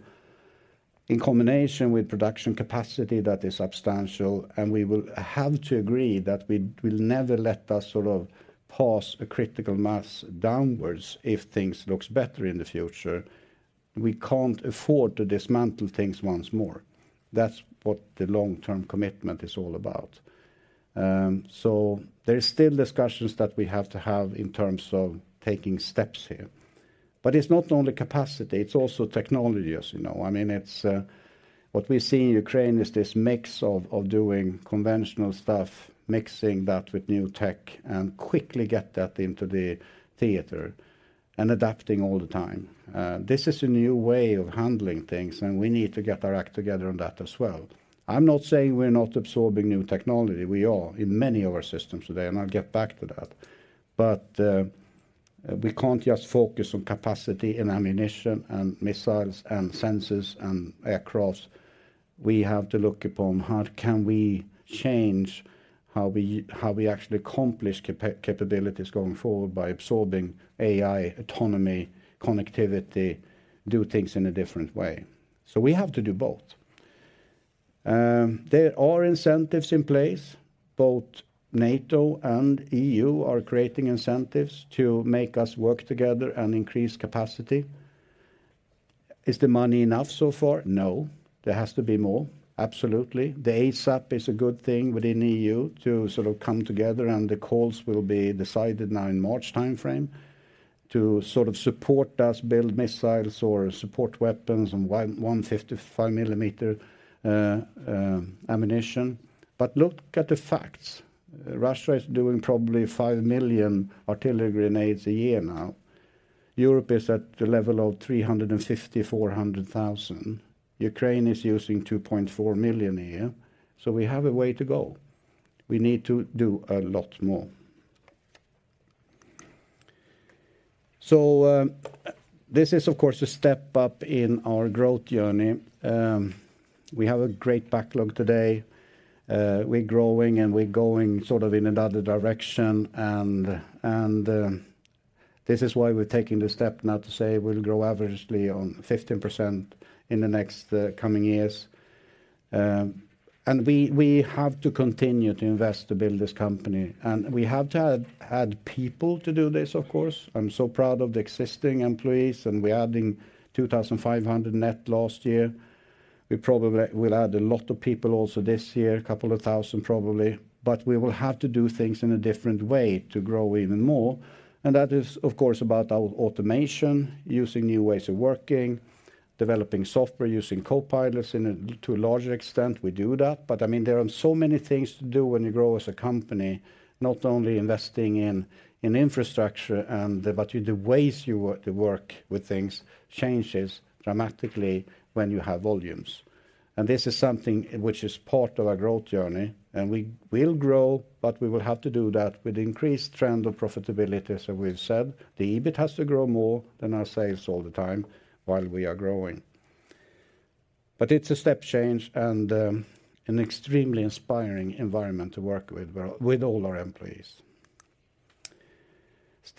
[SPEAKER 2] in combination with production capacity that is substantial, and we will have to agree that we will never let us sort of pass a critical mass downwards if things look better in the future. We can't afford to dismantle things once more. That's what the long-term commitment is all about. So there are still discussions that we have to have in terms of taking steps here. But it's not only capacity. It's also technology, as you know. I mean, what we see in Ukraine is this mix of doing conventional stuff, mixing that with new tech, and quickly getting that into the theater and adapting all the time. This is a new way of handling things, and we need to get our act together on that as well. I'm not saying we're not absorbing new technology. We are in many of our systems today, and I'll get back to that. But we can't just focus on capacity and ammunition and missiles and sensors and aircrafts. We have to look upon how can we change how we actually accomplish capabilities going forward by absorbing AI, autonomy, connectivity, do things in a different way. So we have to do both. There are incentives in place. Both NATO and EU are creating incentives to make us work together and increase capacity. Is the money enough so far? No. There has to be more. Absolutely. The ASAP is a good thing within the EU to sort of come together, and the calls will be decided now in the March timeframe to sort of support us, build missiles or support weapons and 155-millimeter ammunition. But look at the facts. Russia is doing probably 5 million artillery grenades a year now. Europe is at the level of 350,000, 400,000. Ukraine is using 2.4 million a year. So we have a way to go. We need to do a lot more. So this is, of course, a step up in our growth journey. We have a great backlog today. We're growing, and we're going sort of in another direction. And this is why we're taking the step now to say we'll grow averagely on 15% in the next coming years. And we have to continue to invest to build this company. We have to add people to do this, of course. I'm so proud of the existing employees, and we're adding 2,500 net last year. We probably will add a lot of people also this year, a couple of thousand probably. But we will have to do things in a different way to grow even more. And that is, of course, about our automation, using new ways of working, developing software, using co-pilots to a larger extent. We do that. But I mean, there are so many things to do when you grow as a company, not only investing in infrastructure, but the ways you work with things changes dramatically when you have volumes. And this is something which is part of our growth journey. And we will grow, but we will have to do that with the increased trend of profitability, as we've said. The EBIT has to grow more than our sales all the time while we are growing. But it's a step change and an extremely inspiring environment to work with all our employees.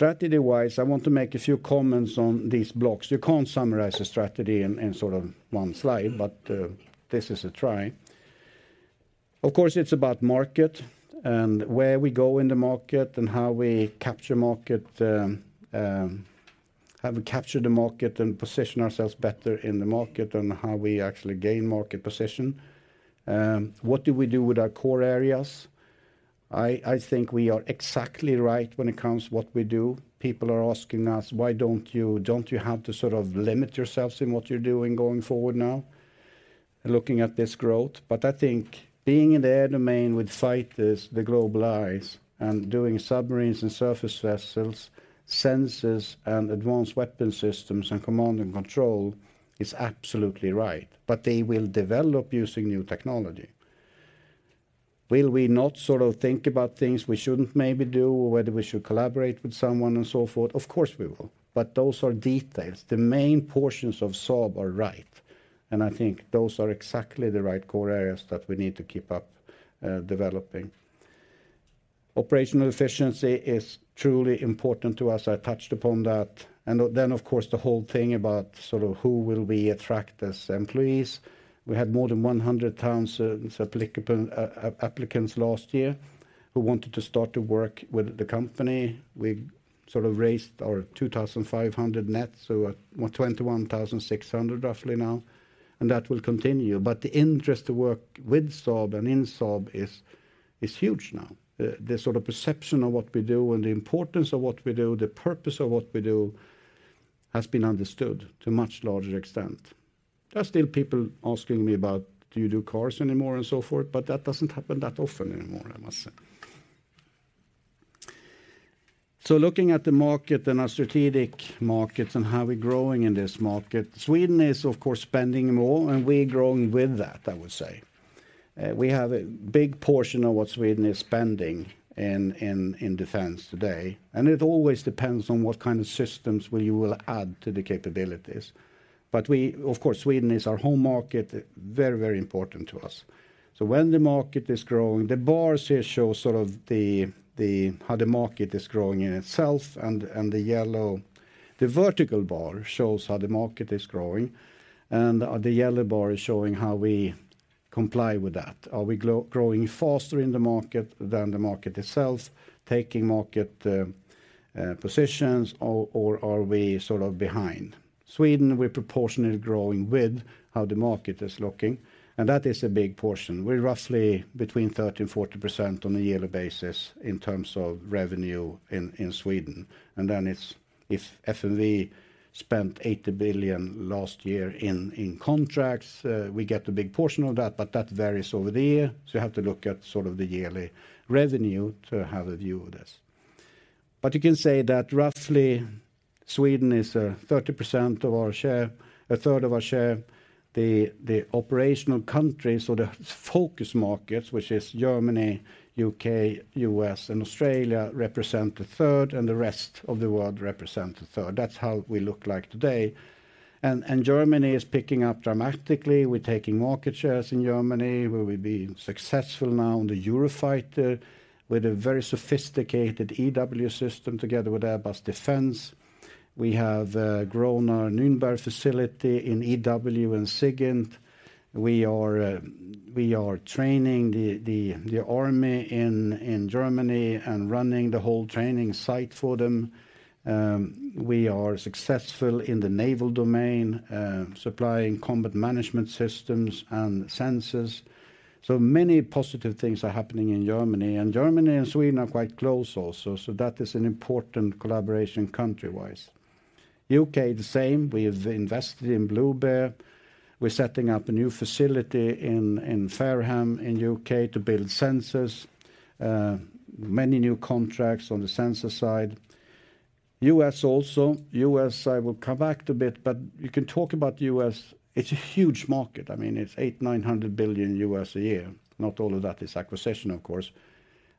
[SPEAKER 2] Strategy-wise, I want to make a few comments on these blocks. You can't summarize a strategy in sort of one slide, but this is a try. Of course, it's about market and where we go in the market and how we capture market, how we capture the market and position ourselves better in the market and how we actually gain market position. What do we do with our core areas? I think we are exactly right when it comes to what we do. People are asking us, "Why don't you have to sort of limit yourselves in what you're doing going forward now?", looking at this growth. But I think being in the air domain with fighters, the GlobalEye, and doing submarines and surface vessels, sensors, and advanced weapon systems and command and control is absolutely right. But they will develop using new technology. Will we not sort of think about things we shouldn't maybe do or whether we should collaborate with someone and so forth? Of course, we will. But those are details. The main portions of Saab are right. And I think those are exactly the right core areas that we need to keep up developing. Operational efficiency is truly important to us. I touched upon that. And then, of course, the whole thing about sort of who will we attract as employees. We had more than 100,000 applicants last year who wanted to start to work with the company. We sort of raised our 2,500 net to 21,600 roughly now. And that will continue. But the interest to work with Saab and in Saab is huge now. The sort of perception of what we do and the importance of what we do, the purpose of what we do has been understood to a much larger extent. There are still people asking me about, "Do you do cars anymore?" and so forth. But that doesn't happen that often anymore, I must say. So looking at the market and our strategic markets and how we're growing in this market, Sweden is, of course, spending more, and we're growing with that, I would say. We have a big portion of what Sweden is spending in defense today. And it always depends on what kind of systems you will add to the capabilities. But, of course, Sweden is our home market, very, very important to us. So when the market is growing, the bars here show sort of how the market is growing in itself. And the vertical bar shows how the market is growing. And the yellow bar is showing how we comply with that. Are we growing faster in the market than the market itself, taking market positions, or are we sort of behind? Sweden, we're proportionally growing with how the market is looking. And that is a big portion. We're roughly between 30%-40% on a yearly basis in terms of revenue in Sweden. And then if FMV spent 80 billion last year in contracts, we get a big portion of that. But that varies over the year. So you have to look at sort of the yearly revenue to have a view of this. But you can say that roughly, Sweden is 30% of our share, a third of our share. The operational countries or the focus markets, which is Germany, UK, US, and Australia, represent a third, and the rest of the world represent a third. That's how we look like today. And Germany is picking up dramatically. We're taking market shares in Germany. We will be successful now in the Eurofighter with a very sophisticated EW system together with Airbus Defence. We have grown our Nürnberg facility in EW and Sigint. We are training the army in Germany and running the whole training site for them. We are successful in the naval domain, supplying combat management systems and sensors. So many positive things are happening in Germany. And Germany and Sweden are quite close also. So that is an important collaboration countrywise. UK, the same. We've invested in BlueBear. We're setting up a new facility in Fareham in the U.K. to build sensors, many new contracts on the sensor side. U.S. also. U.S., I will come back to a bit, but you can talk about the U.S. It's a huge market. I mean, it's $800-900 billion a year. Not all of that is acquisition, of course.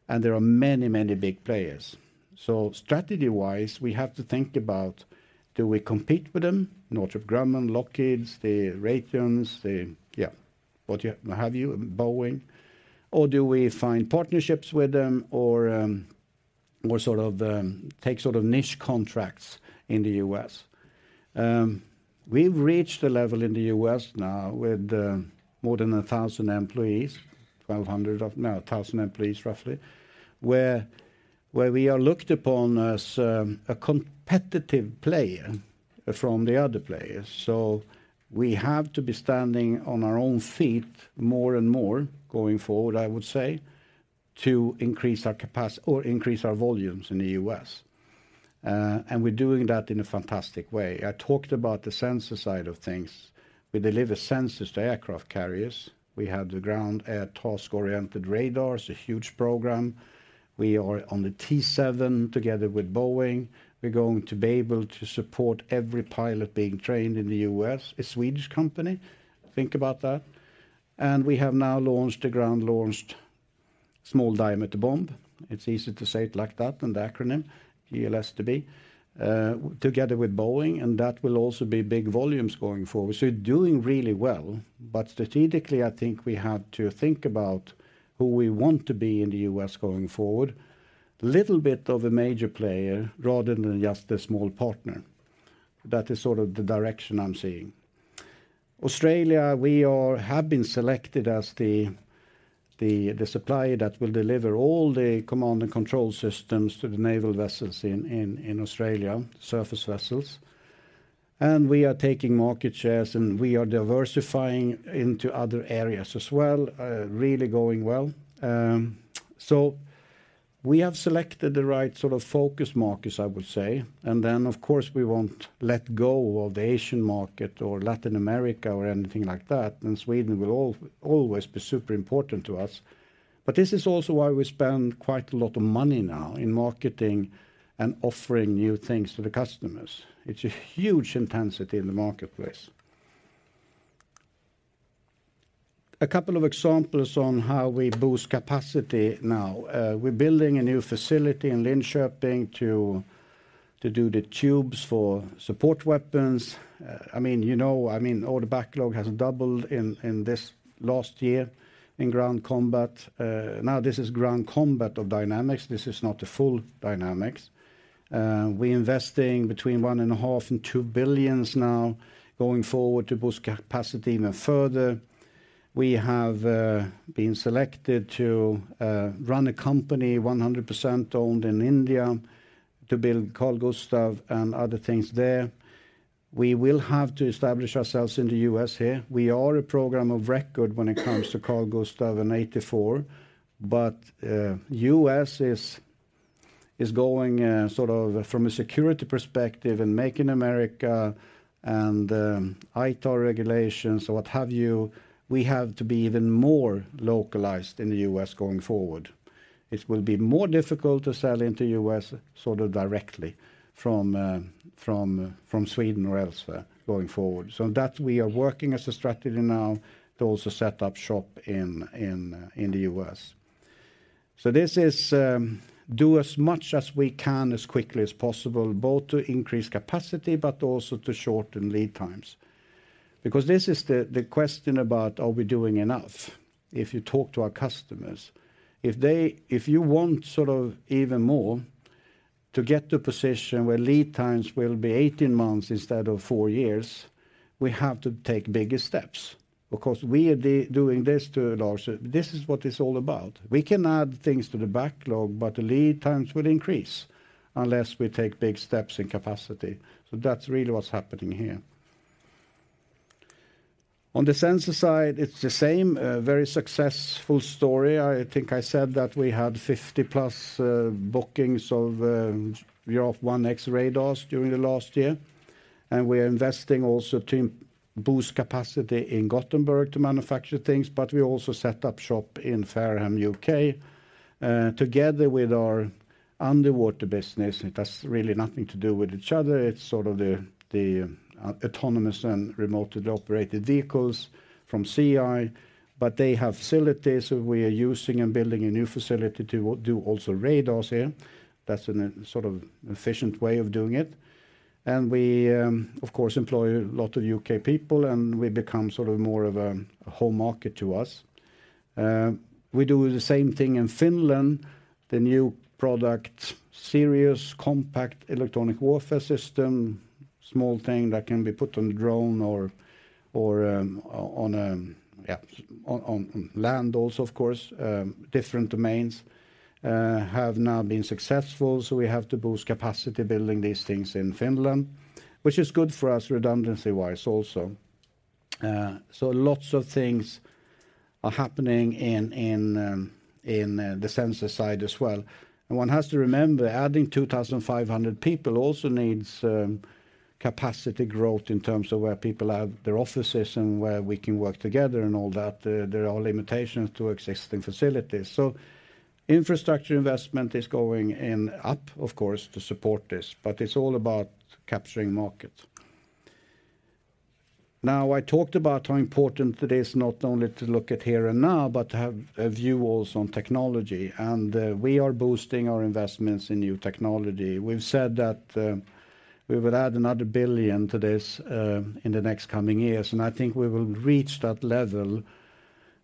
[SPEAKER 2] And there are many, many big players. So strategy-wise, we have to think about, do we compete with them, Northrop Grumman, Lockheed, the Raytheons, the yeah, what have you, Boeing? Or do we find partnerships with them or sort of take sort of niche contracts in the U.S.? We've reached a level in the U.S. now with more than 1,000 employees, 1,200 of no, 1,000 employees roughly, where we are looked upon as a competitive player from the other players. So we have to be standing on our own feet more and more going forward, I would say, to increase our capacity or increase our volumes in the U.S. And we're doing that in a fantastic way. I talked about the sensor side of things. We deliver sensors to aircraft carriers. We have the Ground/Air Task-Oriented Radar, a huge program. We are on the T-7 together with Boeing. We're going to be able to support every pilot being trained in the U.S. It's a Swedish company. Think about that. And we have now launched a Ground-Launched Small Diameter Bomb. It's easy to say it like that and the acronym, GLSDB, together with Boeing. And that will also be big volumes going forward. So we're doing really well. But strategically, I think we have to think about who we want to be in the U.S. going forward, a little bit of a major player rather than just a small partner. That is sort of the direction I'm seeing. Australia, we have been selected as the supplier that will deliver all the command and control systems to the naval vessels in Australia, surface vessels. And we are taking market shares, and we are diversifying into other areas as well, really going well. So we have selected the right sort of focus markets, I would say. And then, of course, we won't let go of the Asian market or Latin America or anything like that. And Sweden will always be super important to us. But this is also why we spend quite a lot of money now in marketing and offering new things to the customers. It's a huge intensity in the marketplace. A couple of examples on how we boost capacity now. We're building a new facility in Linköping to do the tubes for support weapons. I mean, you know. I mean, all the backlog has doubled in this last year in Ground Combat. Now, this is Ground Combat of Dynamics. This is not the full Dynamics. We're investing between 1.5 billion and 2 billion now going forward to boost capacity even further. We have been selected to run a company 100% owned in India to build Carl-Gustaf and other things there. We will have to establish ourselves in the US here. We are a program of record when it comes to Carl-Gustaf in 1984. But the U.S. is going sort of from a security perspective and making America and ITAR regulations or what have you, we have to be even more localized in the U.S. going forward. It will be more difficult to sell into the U.S. sort of directly from Sweden or elsewhere going forward. So that we are working as a strategy now to also set up shop in the U.S. So this is do as much as we can as quickly as possible, both to increase capacity but also to shorten lead times. Because this is the question about, are we doing enough? If you talk to our customers, if you want sort of even more to get to a position where lead times will be 18 months instead of four years, we have to take bigger steps. Of course, we are doing this to a large extent. This is what it's all about. We can add things to the backlog, but the lead times will increase unless we take big steps in capacity. So that's really what's happening here. On the sensor side, it's the same, very successful story. I think I said that we had 50+ bookings of Giraffe 1X radars during the last year. And we are investing also to boost capacity in Gothenburg to manufacture things. But we also set up shop in Fareham, UK, together with our underwater business. It has really nothing to do with each other. It's sort of the autonomous and remotely operated vehicles from Seaeye. But they have facilities. We are using and building a new facility to do also radars here. That's a sort of efficient way of doing it. We, of course, employ a lot of U.K. people, and we become sort of more of a home market to us. We do the same thing in Finland, the new product, Saab's compact electronic warfare system, small thing that can be put on a drone or on land also, of course, different domains, have now been successful. So we have to boost capacity building these things in Finland, which is good for us redundancy-wise also. So lots of things are happening in the sensor side as well. One has to remember, adding 2,500 people also needs capacity growth in terms of where people have their offices and where we can work together and all that. There are limitations to existing facilities. So infrastructure investment is going up, of course, to support this. But it's all about capturing market. Now, I talked about how important it is not only to look at here and now but to have a view also on technology. We are boosting our investments in new technology. We've said that we will add another 1 billion to this in the next coming years. And I think we will reach that level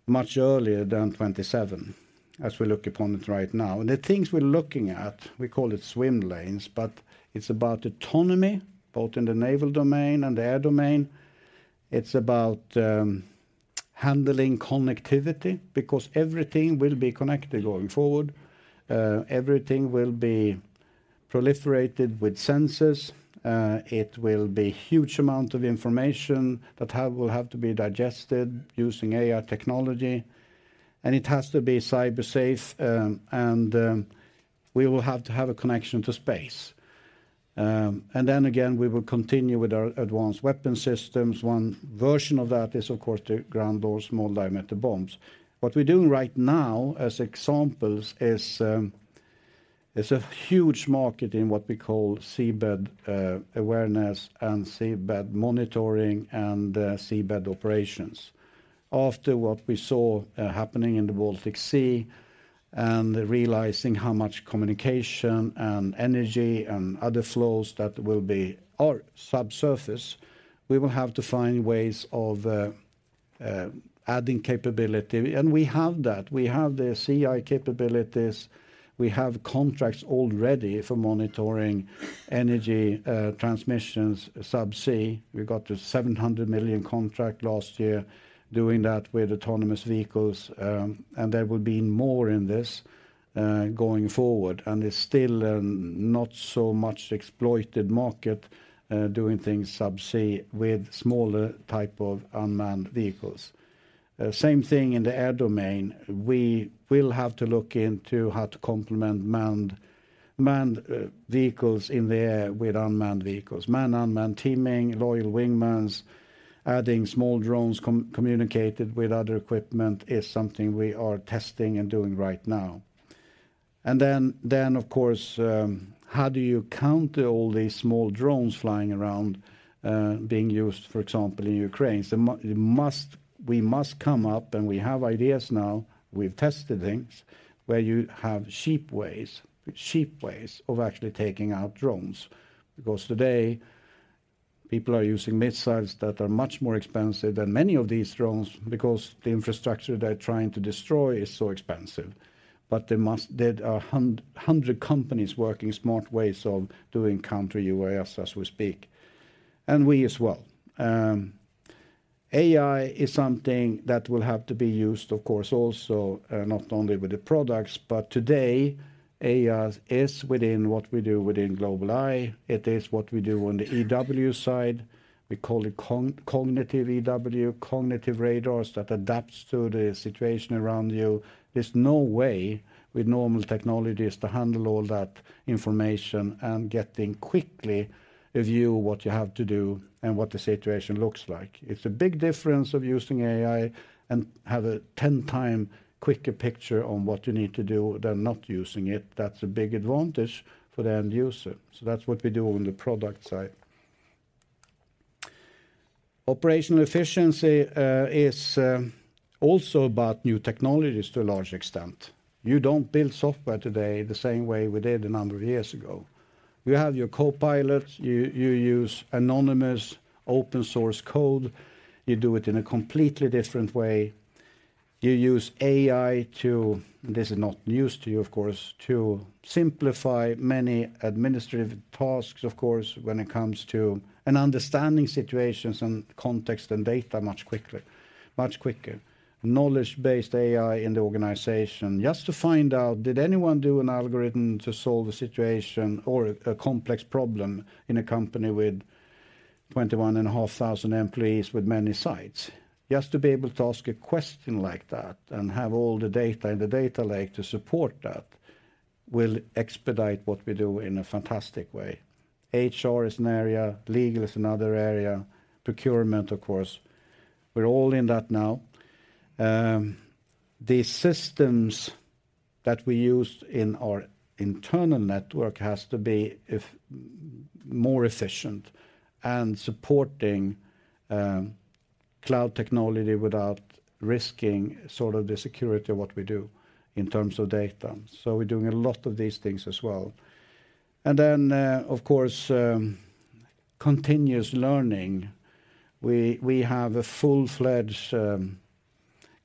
[SPEAKER 2] much earlier than 2027 as we look upon it right now. And the things we're looking at, we call it swim lanes, but it's about autonomy both in the naval domain and the air domain. It's about handling connectivity because everything will be connected going forward. Everything will be proliferated with sensors. It will be a huge amount of information that will have to be digested using AI technology. And it has to be cybersafe. And we will have to have a connection to space. And then again, we will continue with our advanced weapon systems. One version of that is, of course, the Ground-Launched Small Diameter Bombs. What we're doing right now as examples is a huge market in what we call seabed awareness and seabed monitoring and seabed operations. After what we saw happening in the Baltic Sea and realizing how much communication and energy and other flows that will be subsurface, we will have to find ways of adding capability. And we have that. We have the Seaeye capabilities. We have contracts already for monitoring energy transmissions subsea. We got a 700 million contract last year doing that with autonomous vehicles. And there will be more in this going forward. And it's still not so much exploited market doing things subsea with smaller type of unmanned vehicles. Same thing in the air domain. We will have to look into how to complement manned vehicles in the air with unmanned vehicles, manned-unmanned teaming, loyal wingmen, adding small drones communicated with other equipment is something we are testing and doing right now. And then, of course, how do you counter all these small drones flying around being used, for example, in Ukraine? We must come up, and we have ideas now. We've tested things where you have cheap ways of actually taking out drones. Because today, people are using missiles that are much more expensive than many of these drones because the infrastructure they're trying to destroy is so expensive. But there are 100 companies working smart ways of doing counter-UAS as we speak. And we as well. AI is something that will have to be used, of course, also not only with the products. But today, AI is within what we do within GlobalEye. It is what we do on the EW side. We call it Cognitive EW, cognitive radars that adapt to the situation around you. There's no way with normal technologies to handle all that information and getting quickly a view of what you have to do and what the situation looks like. It's a big difference of using AI and have a 10-time quicker picture on what you need to do than not using it. That's a big advantage for the end user. So that's what we do on the product side. Operational efficiency is also about new technologies to a large extent. You don't build software today the same way we did a number of years ago. You have your co-pilot. You use anonymous open-source code. You do it in a completely different way. You use AI to—and this is not news to you, of course—to simplify many administrative tasks, of course, when it comes to understanding situations and context and data much quicker, much quicker. Knowledge-based AI in the organization just to find out, did anyone do an algorithm to solve a situation or a complex problem in a company with 21,500 employees with many sites? Just to be able to ask a question like that and have all the data in the data lake to support that will expedite what we do in a fantastic way. HR is an area. Legal is another area. Procurement, of course. We're all in that now. The systems that we use in our internal network have to be more efficient and supporting cloud technology without risking sort of the security of what we do in terms of data. So we're doing a lot of these things as well. Then, of course, continuous learning. We have a full-fledged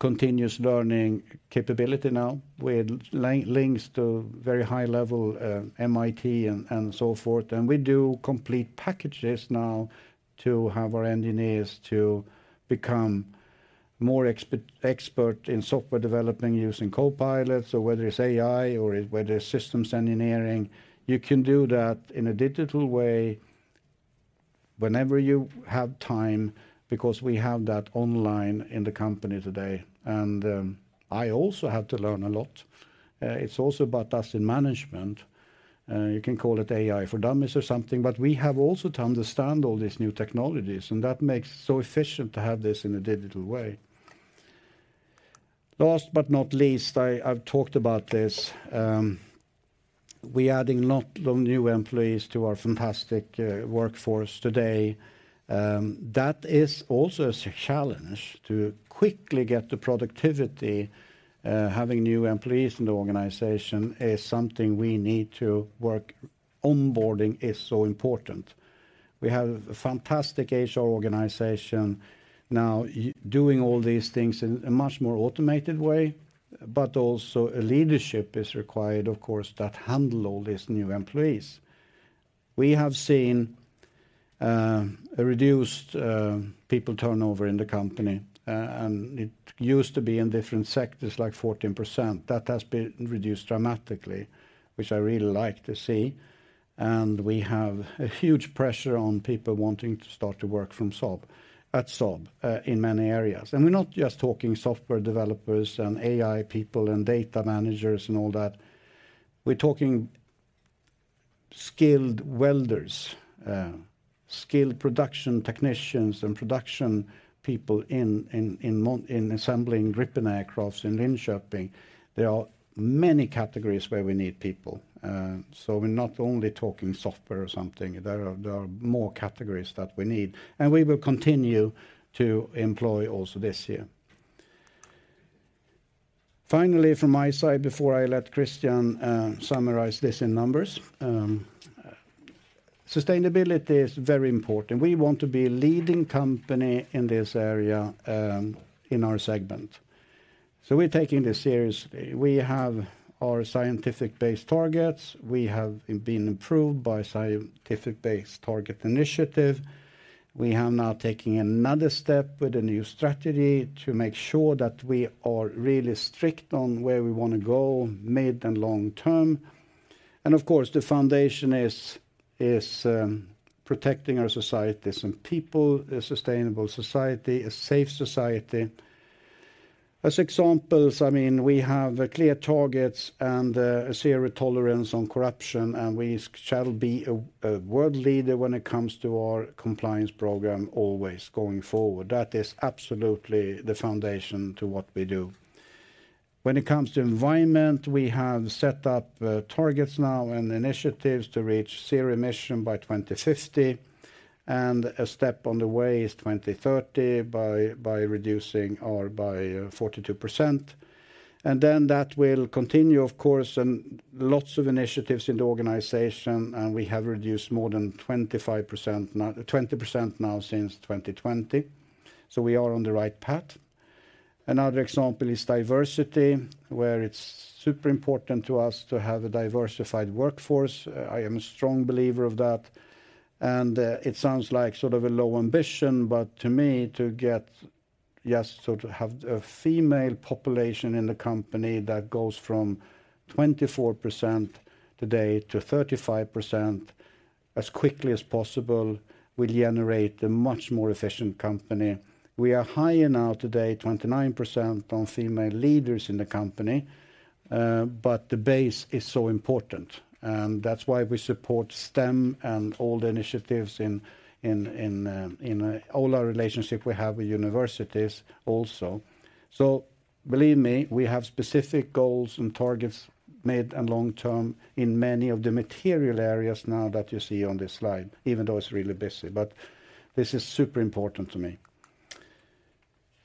[SPEAKER 2] continuous learning capability now with links to very high-level MIT and so forth. We do complete packages now to have our engineers to become more expert in software developing using co-pilots. So whether it's AI or whether it's systems engineering, you can do that in a digital way whenever you have time because we have that online in the company today. I also have to learn a lot. It's also about us in management. You can call it AI for dummies or something. We have also to understand all these new technologies. That makes it so efficient to have this in a digital way. Last but not least, I've talked about this. We're adding a lot of new employees to our fantastic workforce today. That is also a challenge. To quickly get the productivity, having new employees in the organization is something we need to work on. Onboarding is so important. We have a fantastic HR organization now doing all these things in a much more automated way. But also leadership is required, of course, that handle all these new employees. We have seen a reduced people turnover in the company. And it used to be in different sectors like 14%. That has been reduced dramatically, which I really like to see. And we have a huge pressure on people wanting to start to work at Saab in many areas. And we're not just talking software developers and AI people and data managers and all that. We're talking skilled welders, skilled production technicians, and production people in assembling Gripen aircraft in Linköping. There are many categories where we need people. So we're not only talking software or something. There are more categories that we need. And we will continue to employ also this year. Finally, from my side, before I let Christian summarize this in numbers, sustainability is very important. We want to be a leading company in this area in our segment. So we're taking this seriously. We have our science-based targets. We have been approved by Science Based Targets initiative. We are now taking another step with a new strategy to make sure that we are really strict on where we want to go mid and long term. And of course, the foundation is protecting our societies and people, a sustainable society, a safe society. As examples, I mean, we have clear targets and a zero tolerance on corruption. And we shall be a world leader when it comes to our compliance program always going forward. That is absolutely the foundation to what we do. When it comes to environment, we have set up targets now and initiatives to reach zero emission by 2050. A step on the way is 2030 by reducing our by 42%. Then that will continue, of course, and lots of initiatives in the organization. We have reduced more than 20% now since 2020. We are on the right path. Another example is diversity where it's super important to us to have a diversified workforce. I am a strong believer of that. It sounds like sort of a low ambition, but to me, to get just to have a female population in the company that goes from 24% today to 35% as quickly as possible will generate a much more efficient company. We are high enough today, 29%, on female leaders in the company. But the base is so important. And that's why we support STEM and all the initiatives in all our relationship we have with universities also. So believe me, we have specific goals and targets mid and long term in many of the material areas now that you see on this slide, even though it's really busy. But this is super important to me.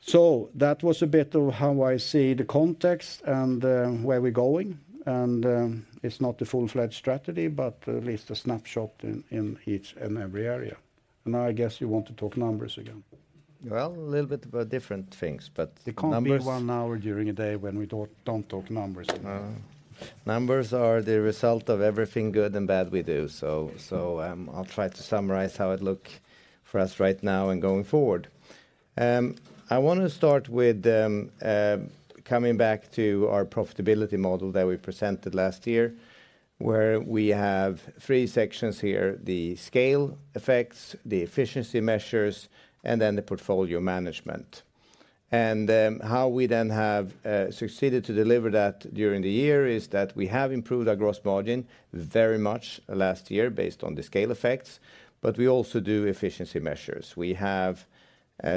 [SPEAKER 2] So that was a bit of how I see the context and where we're going. And it's not the full-fledged strategy, but at least a snapshot in each and every area. And now I guess you want to talk numbers again.
[SPEAKER 3] Well, a little bit about different things, but numbers.
[SPEAKER 2] It can't be one hour during a day when we don't talk numbers anymore.
[SPEAKER 3] Numbers are the result of everything good and bad we do. So I'll try to summarize how it looks for us right now and going forward. I want to start with coming back to our profitability model that we presented last year where we have three sections here, the scale effects, the efficiency measures, and then the portfolio management. And how we then have succeeded to deliver that during the year is that we have improved our gross margin very much last year based on the scale effects. But we also do efficiency measures. We have,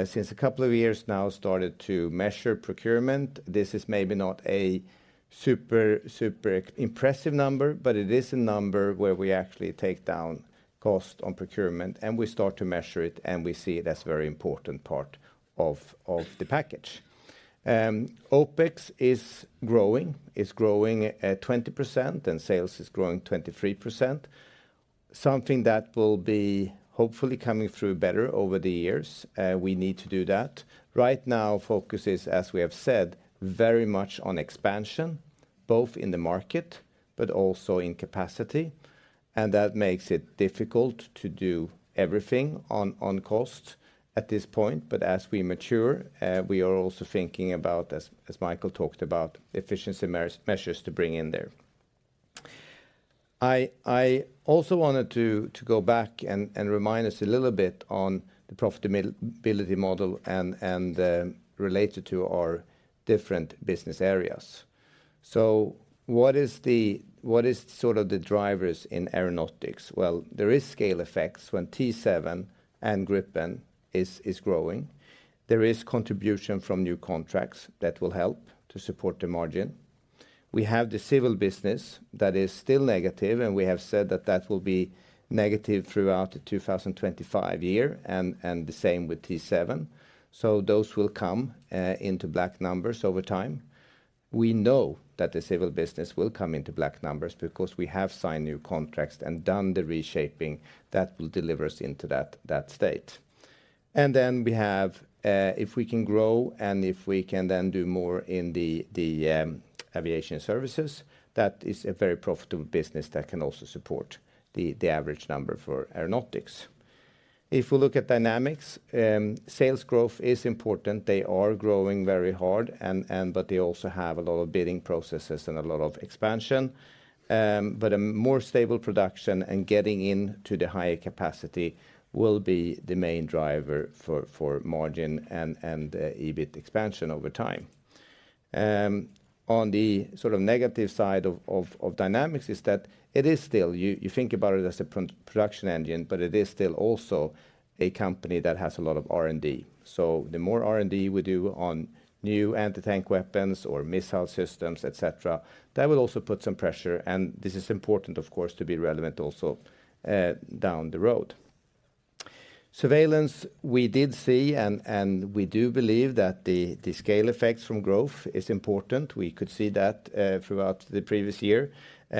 [SPEAKER 3] since a couple of years now, started to measure procurement. This is maybe not a super, super impressive number, but it is a number where we actually take down cost on procurement. And we start to measure it, and we see it as a very important part of the package. OPEX is growing. It's growing 20%, and sales is growing 23%, something that will be hopefully coming through better over the years. We need to do that. Right now, focus is, as we have said, very much on expansion both in the market but also in capacity. And that makes it difficult to do everything on cost at this point. But as we mature, we are also thinking about, as Micael talked about, efficiency measures to bring in there. I also wanted to go back and remind us a little bit on the profitability model and relate it to our different business areas. So what is sort of the drivers in aeronautics? Well, there are scale effects when T7 and Gripen is growing. There is contribution from new contracts that will help to support the margin. We have the civil business that is still negative. We have said that that will be negative throughout the 2025 year and the same with T7. So those will come into black numbers over time. We know that the civil business will come into black numbers because we have signed new contracts and done the reshaping that will deliver us into that state. Then we have if we can grow and if we can then do more in the aviation services, that is a very profitable business that can also support the average number for Aeronautics. If we look at Dynamics, sales growth is important. They are growing very hard, but they also have a lot of bidding processes and a lot of expansion. A more stable production and getting into the higher capacity will be the main driver for margin and EBIT expansion over time. On the sort of negative side of Dynamics is that it is still you think about it as a production engine, but it is still also a company that has a lot of R&D. So the more R&D we do on new anti-tank weapons or missile systems, etc., that will also put some pressure. And this is important, of course, to be relevant also down the road. Surveillance, we did see, and we do believe that the scale effects from growth are important. We could see that throughout the previous year.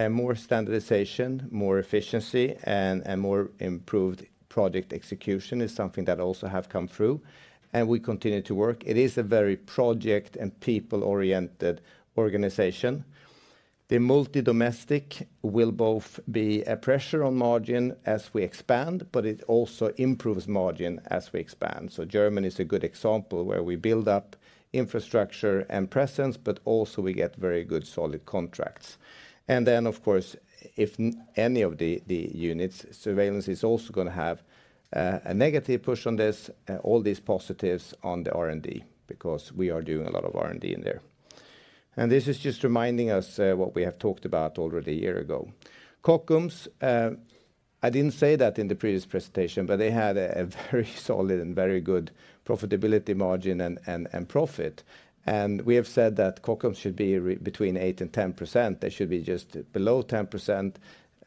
[SPEAKER 3] More standardization, more efficiency, and more improved project execution is something that also has come through. And we continue to work. It is a very project and people-oriented organization. The multidomestic will both be a pressure on margin as we expand, but it also improves margin as we expand. So Germany is a good example where we build up infrastructure and presence, but also we get very good solid contracts. And then, of course, if any of the units, Surveillance is also going to have a negative push on this, all these positives on the R&D because we are doing a lot of R&D in there. And this is just reminding us what we have talked about already a year ago. Kockums, I didn't say that in the previous presentation, but they had a very solid and very good profitability margin and profit. And we have said that Kockums should be between 8%-10%. They should be just below 10%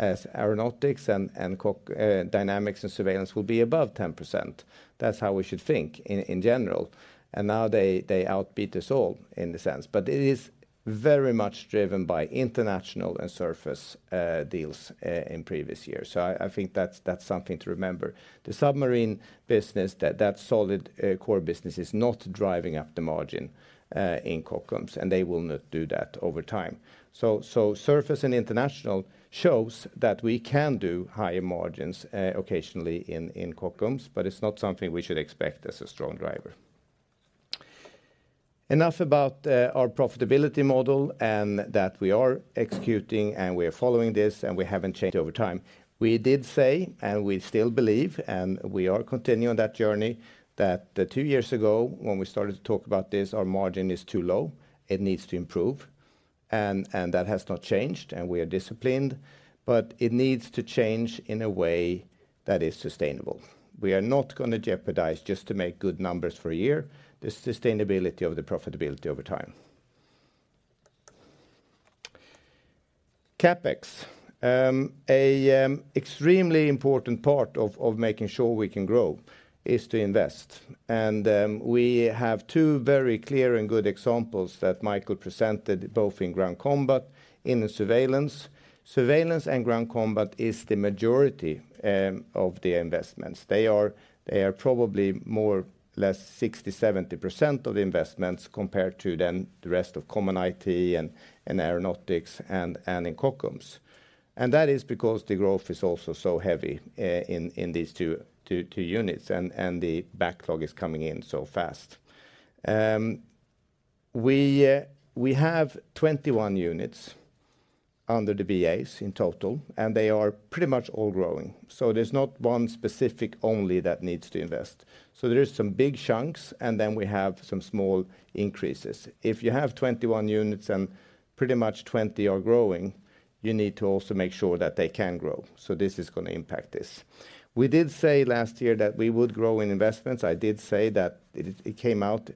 [SPEAKER 3] as Aeronautics and Dynamics and Surveillance will be above 10%. That's how we should think in general. And now they outbeat us all in a sense. But it is very much driven by international and surface deals in previous years. So I think that's something to remember. The submarine business, that solid core business is not driving up the margin in Kockums. And they will not do that over time. So surface and international shows that we can do higher margins occasionally in Kockums, but it's not something we should expect as a strong driver. Enough about our profitability model and that we are executing and we are following this and we haven't changed over time. We did say, and we still believe, and we are continuing on that journey, that two years ago, when we started to talk about this, our margin is too low. It needs to improve. And that has not changed. And we are disciplined. But it needs to change in a way that is sustainable. We are not going to jeopardize just to make good numbers for a year. The sustainability of the profitability over time. CapEx, an extremely important part of making sure we can grow, is to invest. And we have two very clear and good examples that Micael presented both in ground combat and in surveillance. Surveillance and ground combat is the majority of the investments. They are probably more or less 60%-70% of the investments compared to then the rest of common IT and Aeronautics and in Kockums. And that is because the growth is also so heavy in these two units. And the backlog is coming in so fast. We have 21 units under the VAs in total. And they are pretty much all growing. So there's not one specific only that needs to invest. So there are some big chunks. And then we have some small increases. If you have 21 units and pretty much 20 are growing, you need to also make sure that they can grow. So this is going to impact this. We did say last year that we would grow in investments. I did say that it came out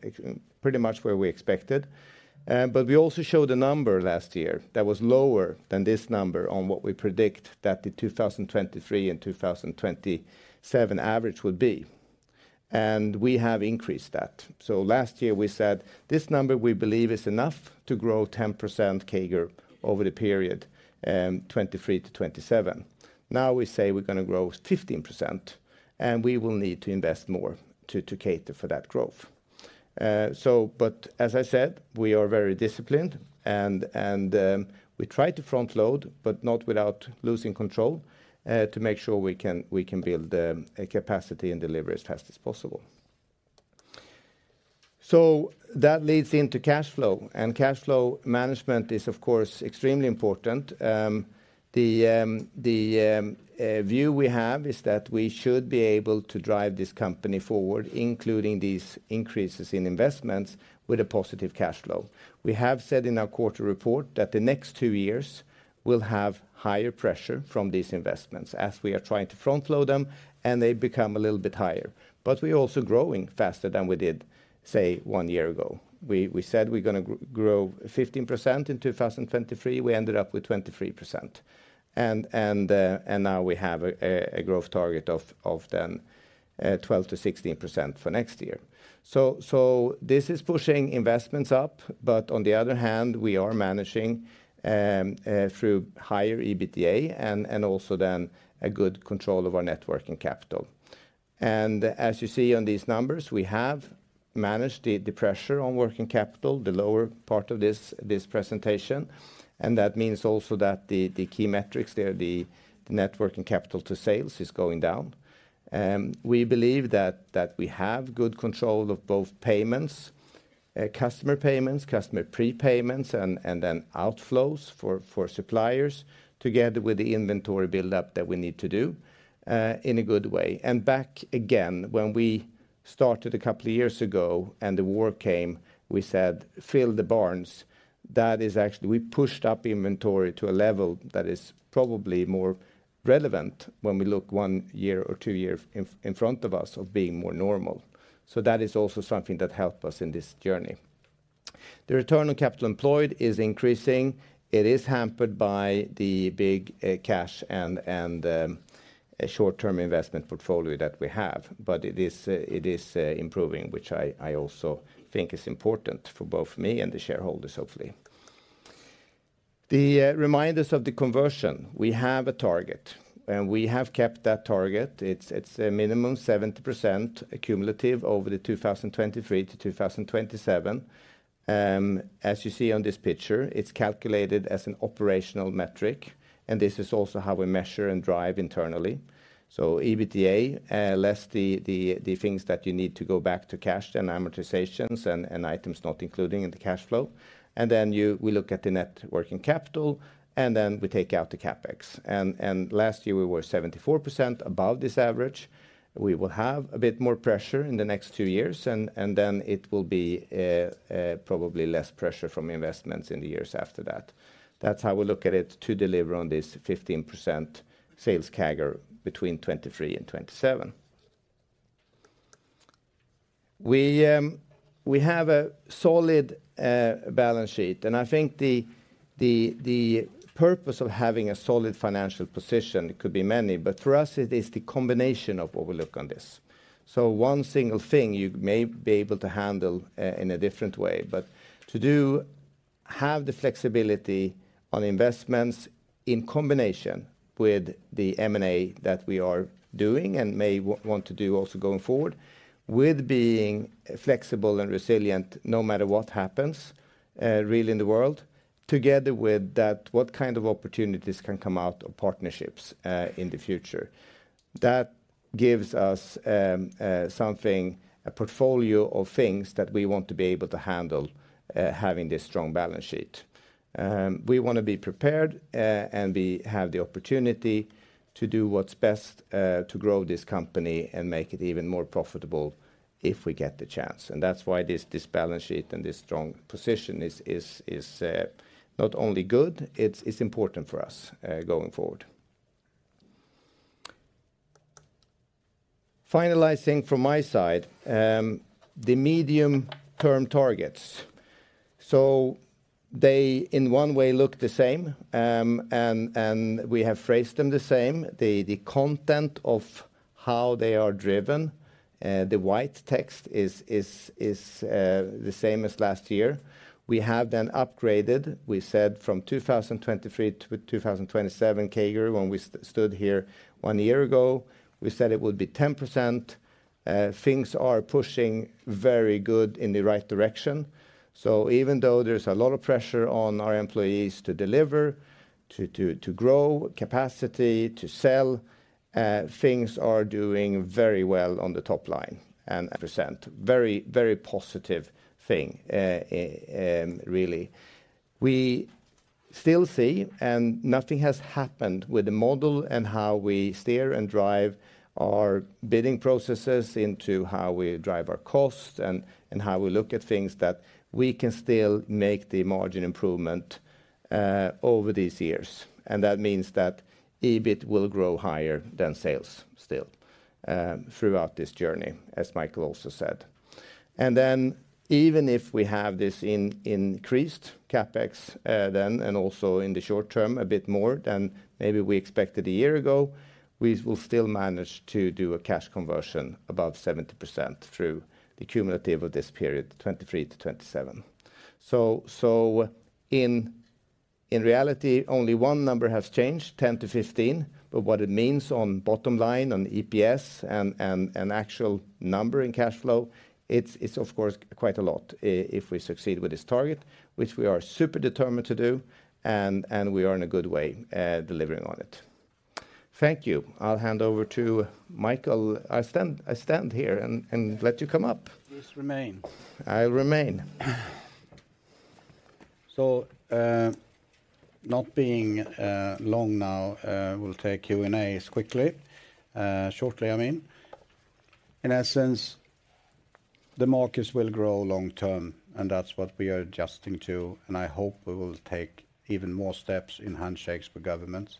[SPEAKER 3] pretty much where we expected. But we also showed a number last year that was lower than this number on what we predict that the 2023 and 2027 average would be. And we have increased that. So last year, we said, "This number, we believe, is enough to grow 10% CAGR over the period 2023-2027." Now we say we're going to grow 15%. And we will need to invest more to cater for that growth. But as I said, we are very disciplined. We try to front-load, but not without losing control to make sure we can build capacity and deliver as fast as possible. So that leads into cash flow. Cash flow management is, of course, extremely important. The view we have is that we should be able to drive this company forward, including these increases in investments, with a positive cash flow. We have said in our quarter report that the next two years will have higher pressure from these investments as we are trying to front-load them, and they become a little bit higher. But we are also growing faster than we did, say, one year ago. We said we're going to grow 15% in 2023. We ended up with 23%. And now we have a growth target of then 12%-16% for next year. So this is pushing investments up. But on the other hand, we are managing through higher EBITDA and also then a good control of our net working capital. And as you see on these numbers, we have managed the pressure on working capital, the lower part of this presentation. And that means also that the key metrics there, the net working capital to sales, is going down. We believe that we have good control of both payments, customer payments, customer prepayments, and then outflows for suppliers together with the inventory buildup that we need to do in a good way. And back again, when we started a couple of years ago and the war came, we said, "Fill the barns." That is actually we pushed up inventory to a level that is probably more relevant when we look one year or two years in front of us of being more normal. That is also something that helped us in this journey. The return on capital employed is increasing. It is hampered by the big cash and short-term investment portfolio that we have. But it is improving, which I also think is important for both me and the shareholders, hopefully. The remainder of the covenant, we have a target. We have kept that target. It's a minimum 70% cumulative over the 2023-2027. As you see on this picture, it's calculated as an operational metric. This is also how we measure and drive internally. So EBITDA, less the things that you need to add back to cash and amortizations and items not included in the cash flow. Then we look at the net working capital. Then we take out the CapEx. Last year, we were 74% above this average. We will have a bit more pressure in the next two years. And then it will be probably less pressure from investments in the years after that. That's how we look at it to deliver on this 15% sales CAGR between 2023 and 2027. We have a solid balance sheet. And I think the purpose of having a solid financial position could be many. But for us, it is the combination of what we look on this. So one single thing, you may be able to handle in a different way. But to have the flexibility on investments in combination with the M&A that we are doing and may want to do also going forward with being flexible and resilient no matter what happens really in the world, together with what kind of opportunities can come out of partnerships in the future, that gives us something, a portfolio of things that we want to be able to handle having this strong balance sheet. We want to be prepared. And we have the opportunity to do what's best to grow this company and make it even more profitable if we get the chance. And that's why this balance sheet and this strong position is not only good, it's important for us going forward. Finalizing from my side, the medium-term targets. So they, in one way, look the same. And we have phrased them the same. The content of how they are driven, the white text is the same as last year. We have then upgraded, we said, from 2023 to 2027 CAGR when we stood here one year ago. We said it would be 10%. Things are pushing very good in the right direction. So even though there's a lot of pressure on our employees to deliver, to grow capacity, to sell, things are doing very well on the top line. And percent, very, very positive thing, really. We still see, and nothing has happened with the model and how we steer and drive our bidding processes into how we drive our costs and how we look at things, that we can still make the margin improvement over these years. And that means that EBIT will grow higher than sales still throughout this journey, as Micael also said. And then even if we have this increased CapEx then and also in the short term a bit more than maybe we expected a year ago, we will still manage to do a cash conversion above 70% through the cumulative of this period, 2023-2027. So in reality, only one number has changed, 10-15. But what it means on bottom line, on EPS, and actual number in cash flow, it's, of course, quite a lot if we succeed with this target, which we are super determined to do. And we are in a good way delivering on it. Thank you. I'll hand over to Micael. I stand here and let you come up.
[SPEAKER 2] Please remain.
[SPEAKER 3] I'll remain.
[SPEAKER 2] So, not being long now, we'll take Q&As quickly. Shortly, I mean. In essence, the markets will grow long term. That's what we are adjusting to. I hope we will take even more steps in handshakes with governments.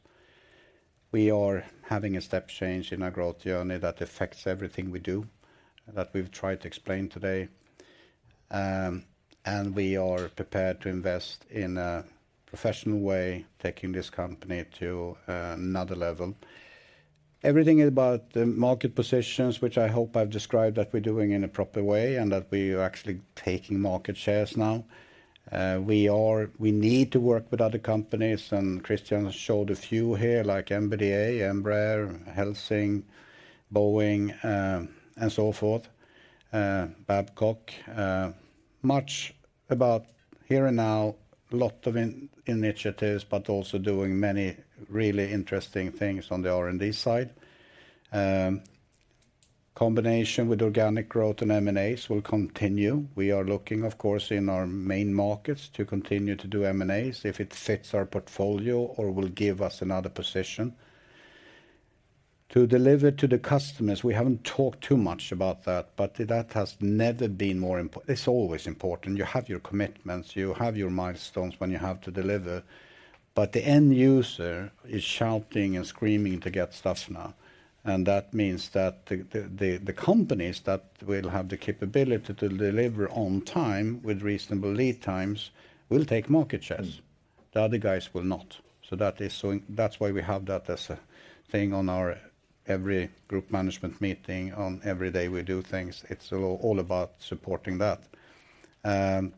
[SPEAKER 2] We are having a step change in our growth journey that affects everything we do, that we've tried to explain today. We are prepared to invest in a professional way, taking this company to another level. Everything is about the market positions, which I hope I've described that we're doing in a proper way and that we are actually taking market shares now. We need to work with other companies. Christian showed a few here like MBDA, Embraer, Helsing, Boeing, and so forth, Babcock, much about here and now, a lot of initiatives, but also doing many really interesting things on the R&D side. Combination with organic growth and M&As will continue. We are looking, of course, in our main markets to continue to do M&As if it fits our portfolio or will give us another position to deliver to the customers. We haven't talked too much about that. But that has never been more important. It's always important. You have your commitments. You have your milestones when you have to deliver. But the end user is shouting and screaming to get stuff now. And that means that the companies that will have the capability to deliver on time with reasonable lead times will take market shares. The other guys will not. So that's why we have that as a thing on every group management meeting, on every day we do things. It's all about supporting that. And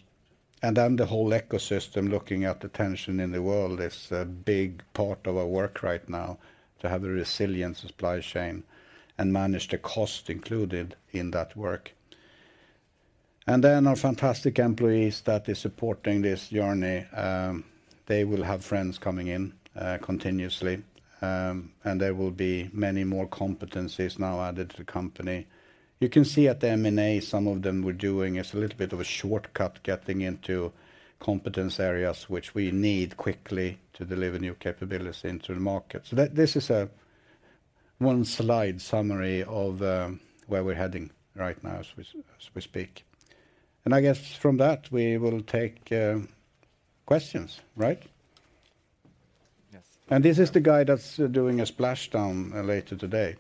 [SPEAKER 2] then the whole ecosystem—looking at the tension in the world—is a big part of our work right now to have a resilient supply chain and manage the cost included in that work. And then our fantastic employees that are supporting this journey, they will have friends coming in continuously. And there will be many more competencies now added to the company. You can see at the M&A, some of them we're doing is a little bit of a shortcut getting into competence areas, which we need quickly to deliver new capabilities into the market. So this is one slide summary of where we're heading right now as we speak. And I guess from that, we will take questions, right?
[SPEAKER 1] Yes.
[SPEAKER 2] This is the guy that's doing a splashdown later today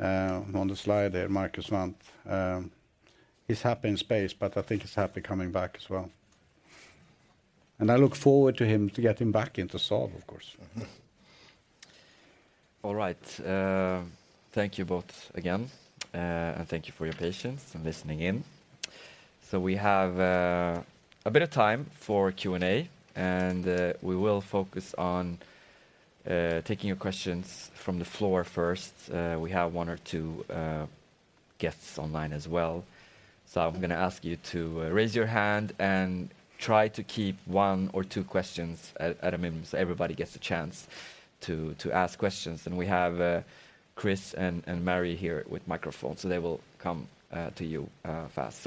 [SPEAKER 2] on the slide there, Marcus Wandt. He's happy in space. But I think he's happy coming back as well. I look forward to him to get him back into Saab, of course.
[SPEAKER 1] All right. Thank you both again. Thank you for your patience and listening in. We have a bit of time for Q&A. We will focus on taking your questions from the floor first. We have one or two guests online as well. I'm going to ask you to raise your hand and try to keep one or two questions at a minimum so everybody gets a chance to ask questions. We have Chris and Mary here with microphones. They will come to you fast.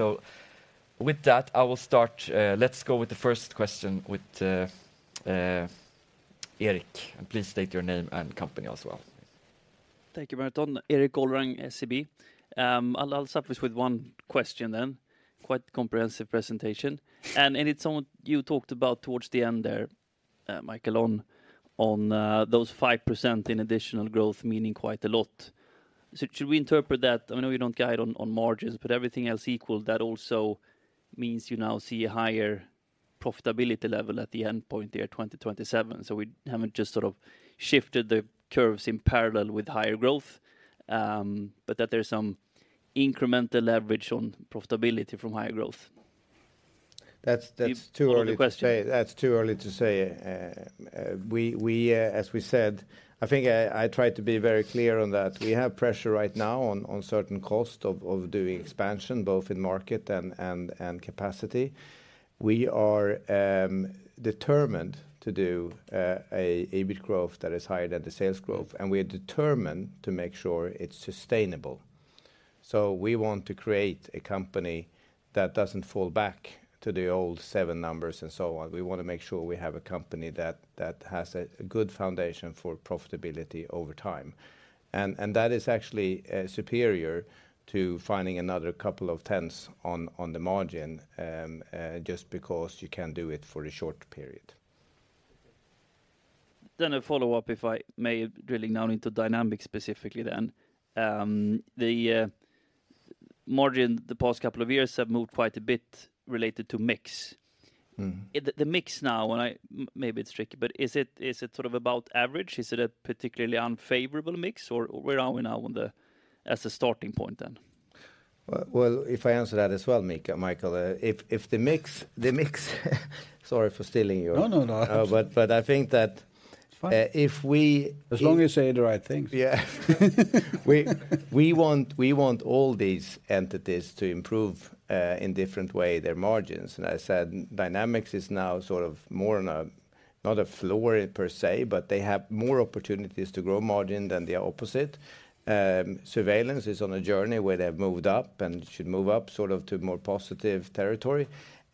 [SPEAKER 1] With that, I will start. Let's go with the first question with Erik. Please state your name and company as well.
[SPEAKER 5] Thank you, Merton. Erik Golrang, SEB. I'll start with one question then, quite comprehensive presentation. And it's something you talked about towards the end there, Micael, on those 5% in additional growth meaning quite a lot. So should we interpret that? I know you don't guide on margins, but everything else equal, that also means you now see a higher profitability level at the endpoint there, 2027. So we haven't just sort of shifted the curves in parallel with higher growth, but that there's some incremental leverage on profitability from higher growth.
[SPEAKER 3] That's too early to say. That's too early to say. As we said, I think I tried to be very clear on that. We have pressure right now on certain costs of doing expansion, both in market and capacity. We are determined to do an EBIT growth that is higher than the sales growth. And we are determined to make sure it's sustainable. So we want to create a company that doesn't fall back to the old seven numbers and so on. We want to make sure we have a company that has a good foundation for profitability over time. And that is actually superior to finding another couple of tens on the margin just because you can do it for a short period.
[SPEAKER 5] Then a follow-up, if I may, drilling down into Dynamics specifically then. The margin the past couple of years have moved quite a bit related to mix. The mix now, and maybe it's tricky, but is it sort of about average? Is it a particularly unfavorable mix? Or where are we now as a starting point then?
[SPEAKER 3] Well, if I answer that as well, Micael, if the mix. Sorry for stealing your.
[SPEAKER 2] No, no, no.
[SPEAKER 3] But I think that if we.
[SPEAKER 2] As long as you say the right things.
[SPEAKER 3] Yeah. We want all these entities to improve in different ways their margins. I said Dynamics is now sort of more not a floor per se, but they have more opportunities to grow margins than the opposite. Surveillance is on a journey where they've moved up and should move up sort of to more positive territory.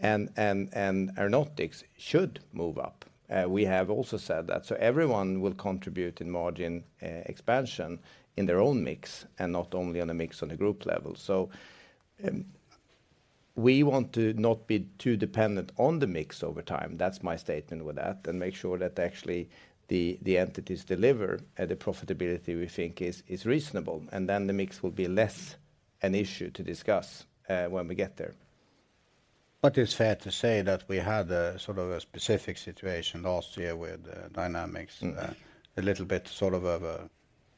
[SPEAKER 3] Aeronautics should move up. We have also said that. So everyone will contribute in margin expansion in their own mix and not only on a mix on a group level. We want to not be too dependent on the mix over time. That's my statement with that. Make sure that actually the entities deliver at a profitability we think is reasonable. Then the mix will be less an issue to discuss when we get there.
[SPEAKER 2] But it's fair to say that we had sort of a specific situation last year with Dynamics, a little bit sort of of a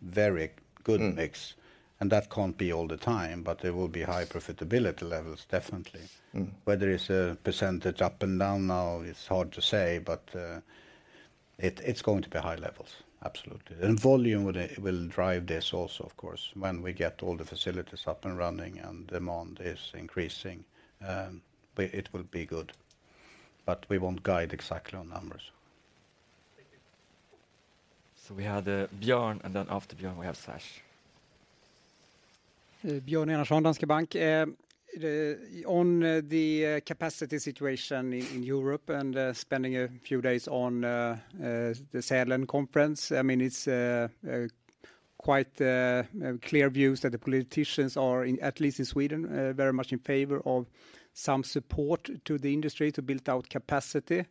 [SPEAKER 2] very good mix. And that can't be all the time. But there will be high profitability levels, definitely. Whether it's a percentage up and down now, it's hard to say. But it's going to be high levels, absolutely. And volume will drive this also, of course. When we get all the facilities up and running and demand is increasing, it will be good. But we won't guide exactly on numbers.
[SPEAKER 1] Thank you. We had Björn. After Björn, we have Sash.
[SPEAKER 6] Björn Enarson, Danske Bank. On the capacity situation in Europe and spending a few days on the Sälen Conference, I mean, it's quite clear views that the politicians are, at least in Sweden, very much in favor of some support to the industry to build out capacity.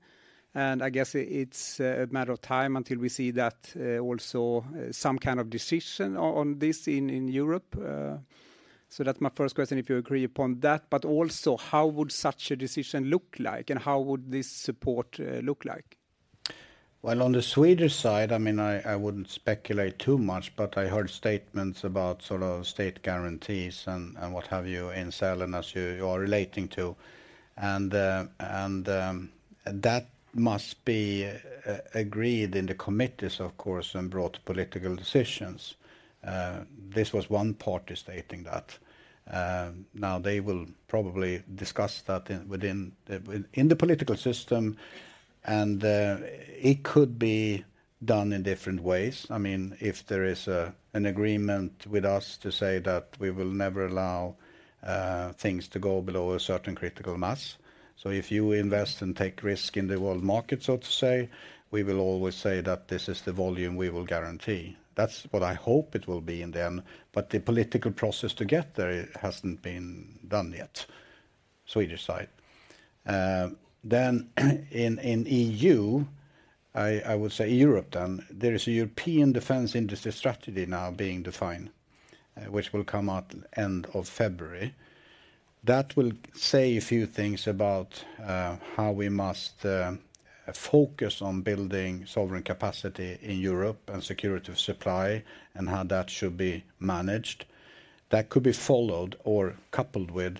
[SPEAKER 6] I guess it's a matter of time until we see that also some kind of decision on this in Europe. So that's my first question, if you agree upon that. But also, how would such a decision look like? And how would this support look like?
[SPEAKER 2] Well, on the Swedish side, I mean, I wouldn't speculate too much. I heard statements about sort of state guarantees and what have you in Sälen as you are relating to. That must be agreed in the committees, of course, and brought to political decisions. This was one party stating that. Now, they will probably discuss that in the political system. It could be done in different ways. I mean, if there is an agreement with us to say that we will never allow things to go below a certain critical mass. If you invest and take risk in the world markets, so to say, we will always say that this is the volume we will guarantee. That's what I hope it will be in the end. The political process to get there hasn't been done yet, Swedish side. Then in the EU, I would say Europe then, there is a European defense industry strategy now being defined, which will come out end of February. That will say a few things about how we must focus on building sovereign capacity in Europe and security of supply and how that should be managed. That could be followed or coupled with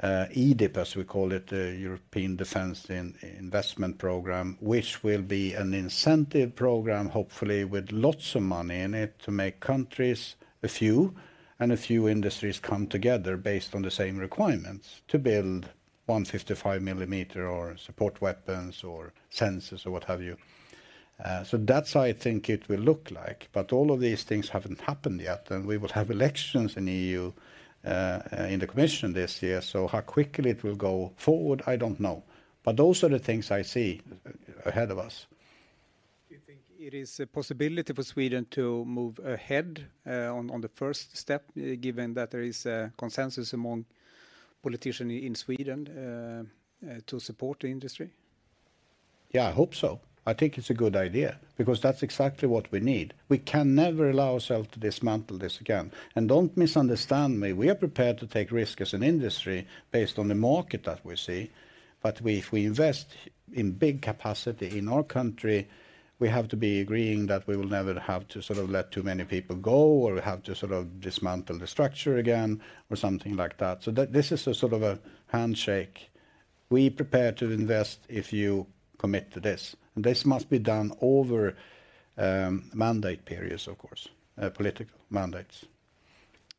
[SPEAKER 2] EDIP, as we call it, the European Defense Investment Programme, which will be an incentive programme, hopefully, with lots of money in it to make countries, a few, and a few industries come together based on the same requirements to build 155 millimeter or support weapons or sensors or what have you. So that's how I think it will look like. But all of these things haven't happened yet. And we will have elections in the EU, in the Commission this year. How quickly it will go forward, I don't know. Those are the things I see ahead of us.
[SPEAKER 6] Do you think it is a possibility for Sweden to move ahead on the first step, given that there is a consensus among politicians in Sweden to support the industry?
[SPEAKER 2] Yeah, I hope so. I think it's a good idea because that's exactly what we need. We can never allow ourselves to dismantle this again. And don't misunderstand me. We are prepared to take risks as an industry based on the market that we see. But if we invest in big capacity in our country, we have to be agreeing that we will never have to sort of let too many people go or have to sort of dismantle the structure again or something like that. So this is sort of a handshake. We're prepared to invest if you commit to this. And this must be done over mandate periods, of course, political mandates.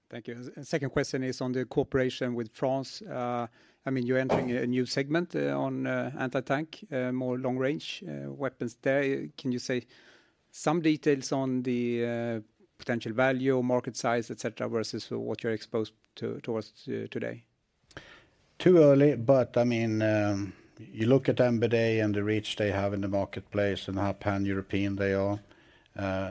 [SPEAKER 6] Thank you. Second question is on the cooperation with France. I mean, you're entering a new segment on anti-tank, more long-range weapons there. Can you say some details on the potential value, market size, etc., versus what you're exposed to towards today?
[SPEAKER 2] Too early. But I mean, you look at MBDA and the reach they have in the marketplace and how pan-European they are.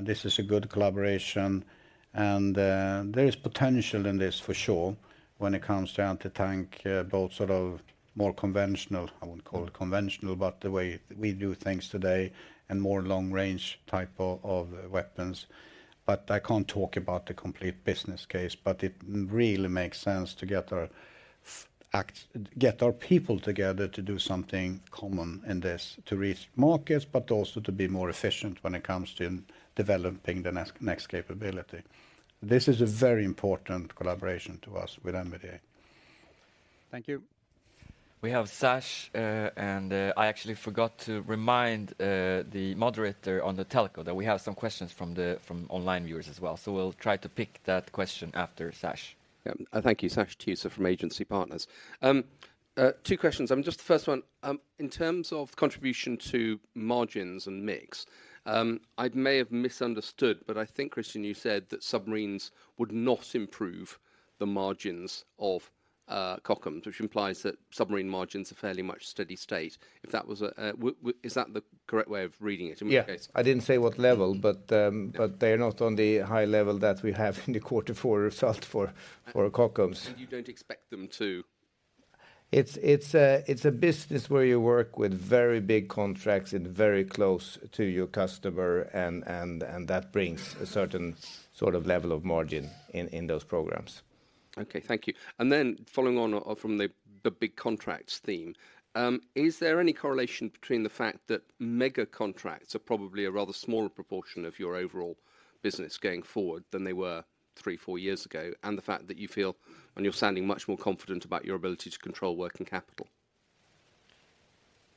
[SPEAKER 2] This is a good collaboration. And there is potential in this for sure when it comes to anti-tank, both sort of more conventional, I wouldn't call it conventional, but the way we do things today, and more long-range type of weapons. But I can't talk about the complete business case. But it really makes sense to get our people together to do something common in this, to reach markets, but also to be more efficient when it comes to developing the next capability. This is a very important collaboration to us with MBDA.
[SPEAKER 6] Thank you.
[SPEAKER 1] We have Sash. I actually forgot to remind the moderator on the telco that we have some questions from online viewers as well. We'll try to pick that question after Sash.
[SPEAKER 7] Yeah. Thank you, Sash Tusa from Agency Partners. Two questions. I mean, just the first one, in terms of contribution to margins and mix, I may have misunderstood. But I think, Christian, you said that submarines would not improve the margins of Kockums, which implies that submarine margins are fairly much steady state. Is that the correct way of reading it? In which case?
[SPEAKER 3] Yeah. I didn't say what level. But they are not on the high level that we have in the quarter four result for Kockums.
[SPEAKER 7] You don't expect them to?
[SPEAKER 3] It's a business where you work with very big contracts and very close to your customer. That brings a certain sort of level of margin in those programs.
[SPEAKER 7] Okay. Thank you. And then following on from the big contracts theme, is there any correlation between the fact that mega contracts are probably a rather smaller proportion of your overall business going forward than they were three four years ago, and the fact that you feel and you're sounding much more confident about your ability to control working capital?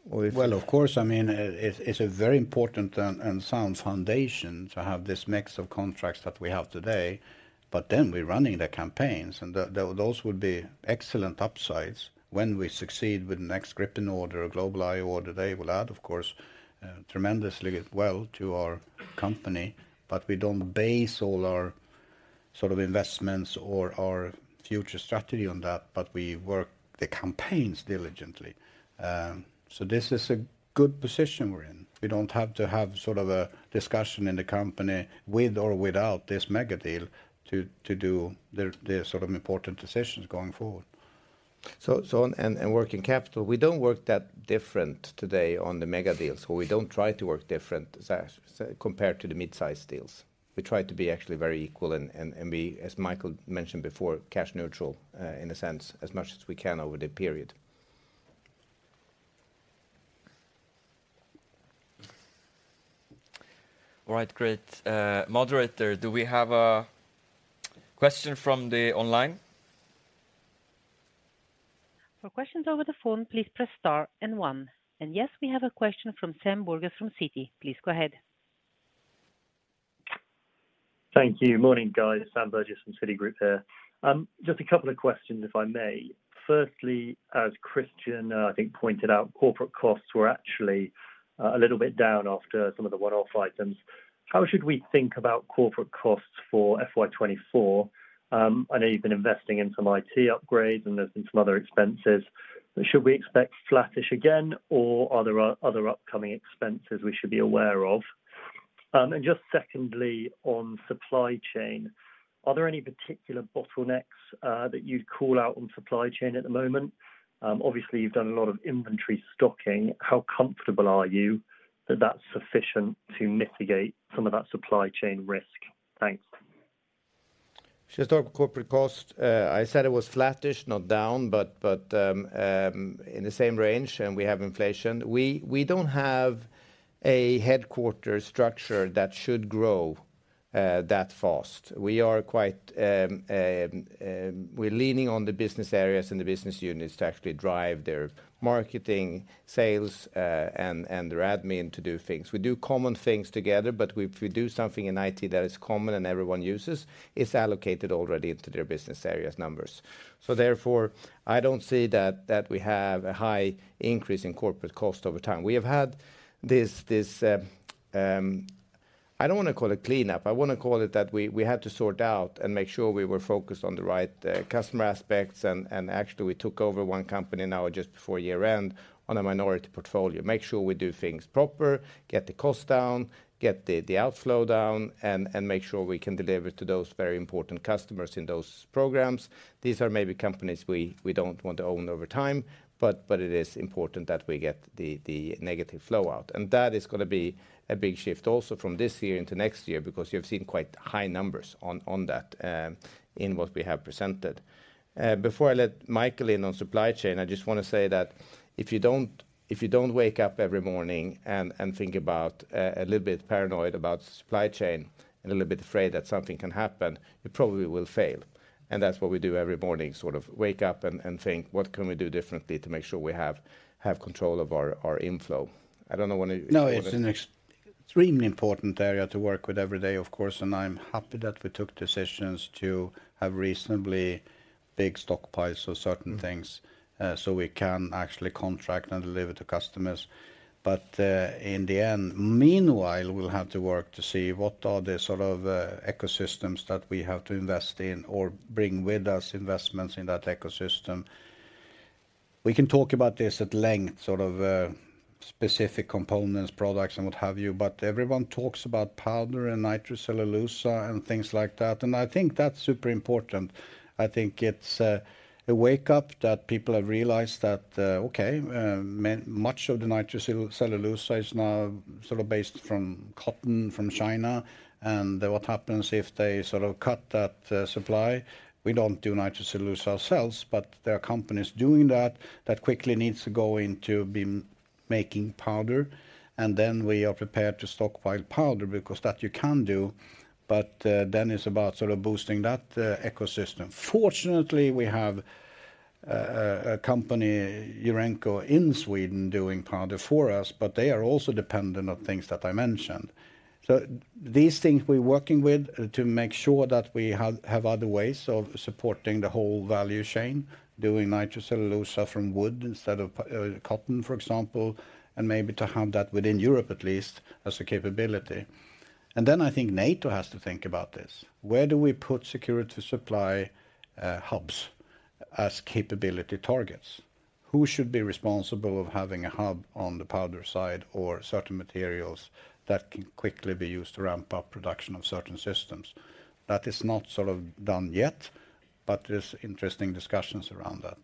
[SPEAKER 2] Well, of course. I mean, it's a very important and sound foundation to have this mix of contracts that we have today. But then we're running the campaigns. And those would be excellent upsides when we succeed with the next Gripen order, GlobalEye order. They will add, of course, tremendously well to our company. But we don't base all our sort of investments or our future strategy on that. But we work the campaigns diligently. So this is a good position we're in. We don't have to have sort of a discussion in the company with or without this mega deal to do the sort of important decisions going forward. On working capital, we don't work that different today on the mega deals. We don't try to work different, Sash, compared to the midsize deals. We try to be actually very equal and be, as Micael mentioned before, cash neutral in a sense, as much as we can over the period. All right. Great. Moderator, do we have a question from the online?
[SPEAKER 8] For questions over the phone, please press star and one. And yes, we have a question from Sam Burgess from Citi. Please go ahead.
[SPEAKER 9] Thank you. Morning, guys. Sam Burgess from Citigroup here. Just a couple of questions, if I may. Firstly, as Christian, I think, pointed out, corporate costs were actually a little bit down after some of the one-off items. How should we think about corporate costs for FY24? I know you've been investing in some IT upgrades. And there's been some other expenses. But should we expect flattish again? Or are there other upcoming expenses we should be aware of? And just secondly, on supply chain, are there any particular bottlenecks that you'd call out on supply chain at the moment? Obviously, you've done a lot of inventory stocking. How comfortable are you that that's sufficient to mitigate some of that supply chain risk? Thanks.
[SPEAKER 3] Just on corporate costs, I said it was flattish, not down, but in the same range. We have inflation. We don't have a headquarters structure that should grow that fast. We're leaning on the business areas and the business units to actually drive their marketing, sales, and their admin to do things. We do common things together. But if we do something in IT that is common and everyone uses, it's allocated already into their business areas numbers. So therefore, I don't see that we have a high increase in corporate cost over time. We have had this I don't want to call it cleanup. I want to call it that we had to sort out and make sure we were focused on the right customer aspects. And actually, we took over one company now just before year-end on a minority portfolio. Make sure we do things proper, get the cost down, get the outflow down, and make sure we can deliver to those very important customers in those programs. These are maybe companies we don't want to own over time. But it is important that we get the negative flow out. And that is going to be a big shift also from this year into next year because you have seen quite high numbers on that in what we have presented. Before I let Micael in on supply chain, I just want to say that if you don't wake up every morning and think about a little bit paranoid about supply chain and a little bit afraid that something can happen, you probably will fail. That's what we do every morning, sort of wake up and think, what can we do differently to make sure we have control of our inflow? I don't know whether you want to.
[SPEAKER 2] No, it's an extremely important area to work with every day, of course. I'm happy that we took decisions to have reasonably big stockpiles of certain things so we can actually contract and deliver to customers. But in the end, meanwhile, we'll have to work to see what are the sort of ecosystems that we have to invest in or bring with us investments in that ecosystem. We can talk about this at length, sort of specific components, products, and what have you. But everyone talks about powder and nitrocellulose and things like that. And I think that's super important. I think it's a wake-up that people have realized that, OK, much of the nitrocellulose is now sort of based from cotton from China. And what happens if they sort of cut that supply? We don't do nitrocellulose ourselves. But there are companies doing that that quickly needs to go into making powder. And then we are prepared to stockpile powder because that you can do. But then it's about sort of boosting that ecosystem. Fortunately, we have a company, Eurenco, in Sweden doing powder for us. But they are also dependent on things that I mentioned. So these things we're working with to make sure that we have other ways of supporting the whole value chain, doing nitrocellulose from wood instead of cotton, for example, and maybe to have that within Europe, at least, as a capability. And then I think NATO has to think about this. Where do we put security of supply hubs as capability targets? Who should be responsible for having a hub on the powder side or certain materials that can quickly be used to ramp up production of certain systems? That is not sort of done yet. But there's interesting discussions around that.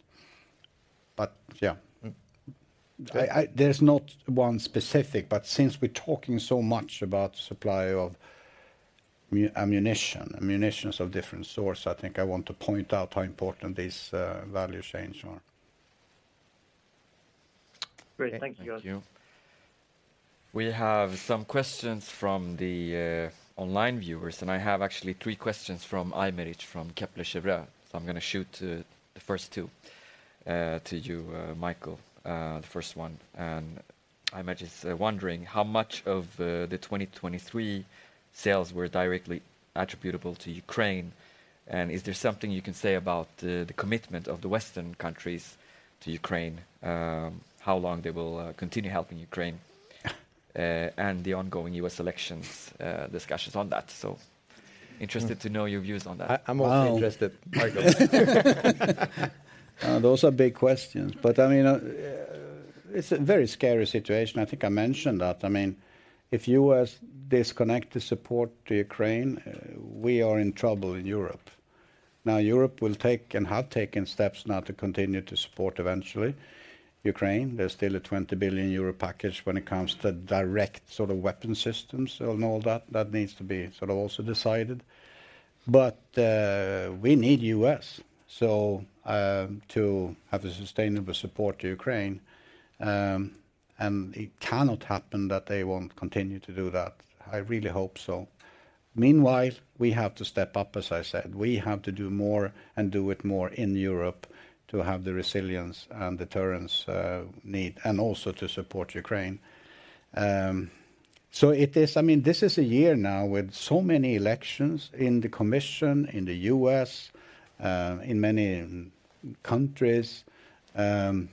[SPEAKER 2] But yeah, there's not one specific. But since we're talking so much about supply of ammunition, ammunitions of different sources, I think I want to point out how important these value chains are.
[SPEAKER 9] Great. Thank you, guys.
[SPEAKER 2] Thank you.
[SPEAKER 1] We have some questions from the online viewers. I have actually three questions from Aymeric from Kepler Cheuvreux. So I'm going to shoot the first two to you, Micael, the first one. And Aymeric is wondering how much of the 2023 sales were directly attributable to Ukraine. And is there something you can say about the commitment of the Western countries to Ukraine, how long they will continue helping Ukraine, and the ongoing U.S. elections discussions on that? So interested to know your views on that.
[SPEAKER 3] I'm also interested, Micael.
[SPEAKER 2] Those are big questions. But I mean, it's a very scary situation. I think I mentioned that. I mean, if U.S. disconnected support to Ukraine, we are in trouble in Europe. Now, Europe will take and have taken steps now to continue to support, eventually, Ukraine. There's still a 20 billion euro package when it comes to direct sort of weapon systems and all that. That needs to be sort of also decided. But we need U.S. to have a sustainable support to Ukraine. And it cannot happen that they won't continue to do that. I really hope so. Meanwhile, we have to step up, as I said. We have to do more and do it more in Europe to have the resilience and deterrence need and also to support Ukraine. So I mean, this is a year now with so many elections in the Commission, in the U.S., in many countries. So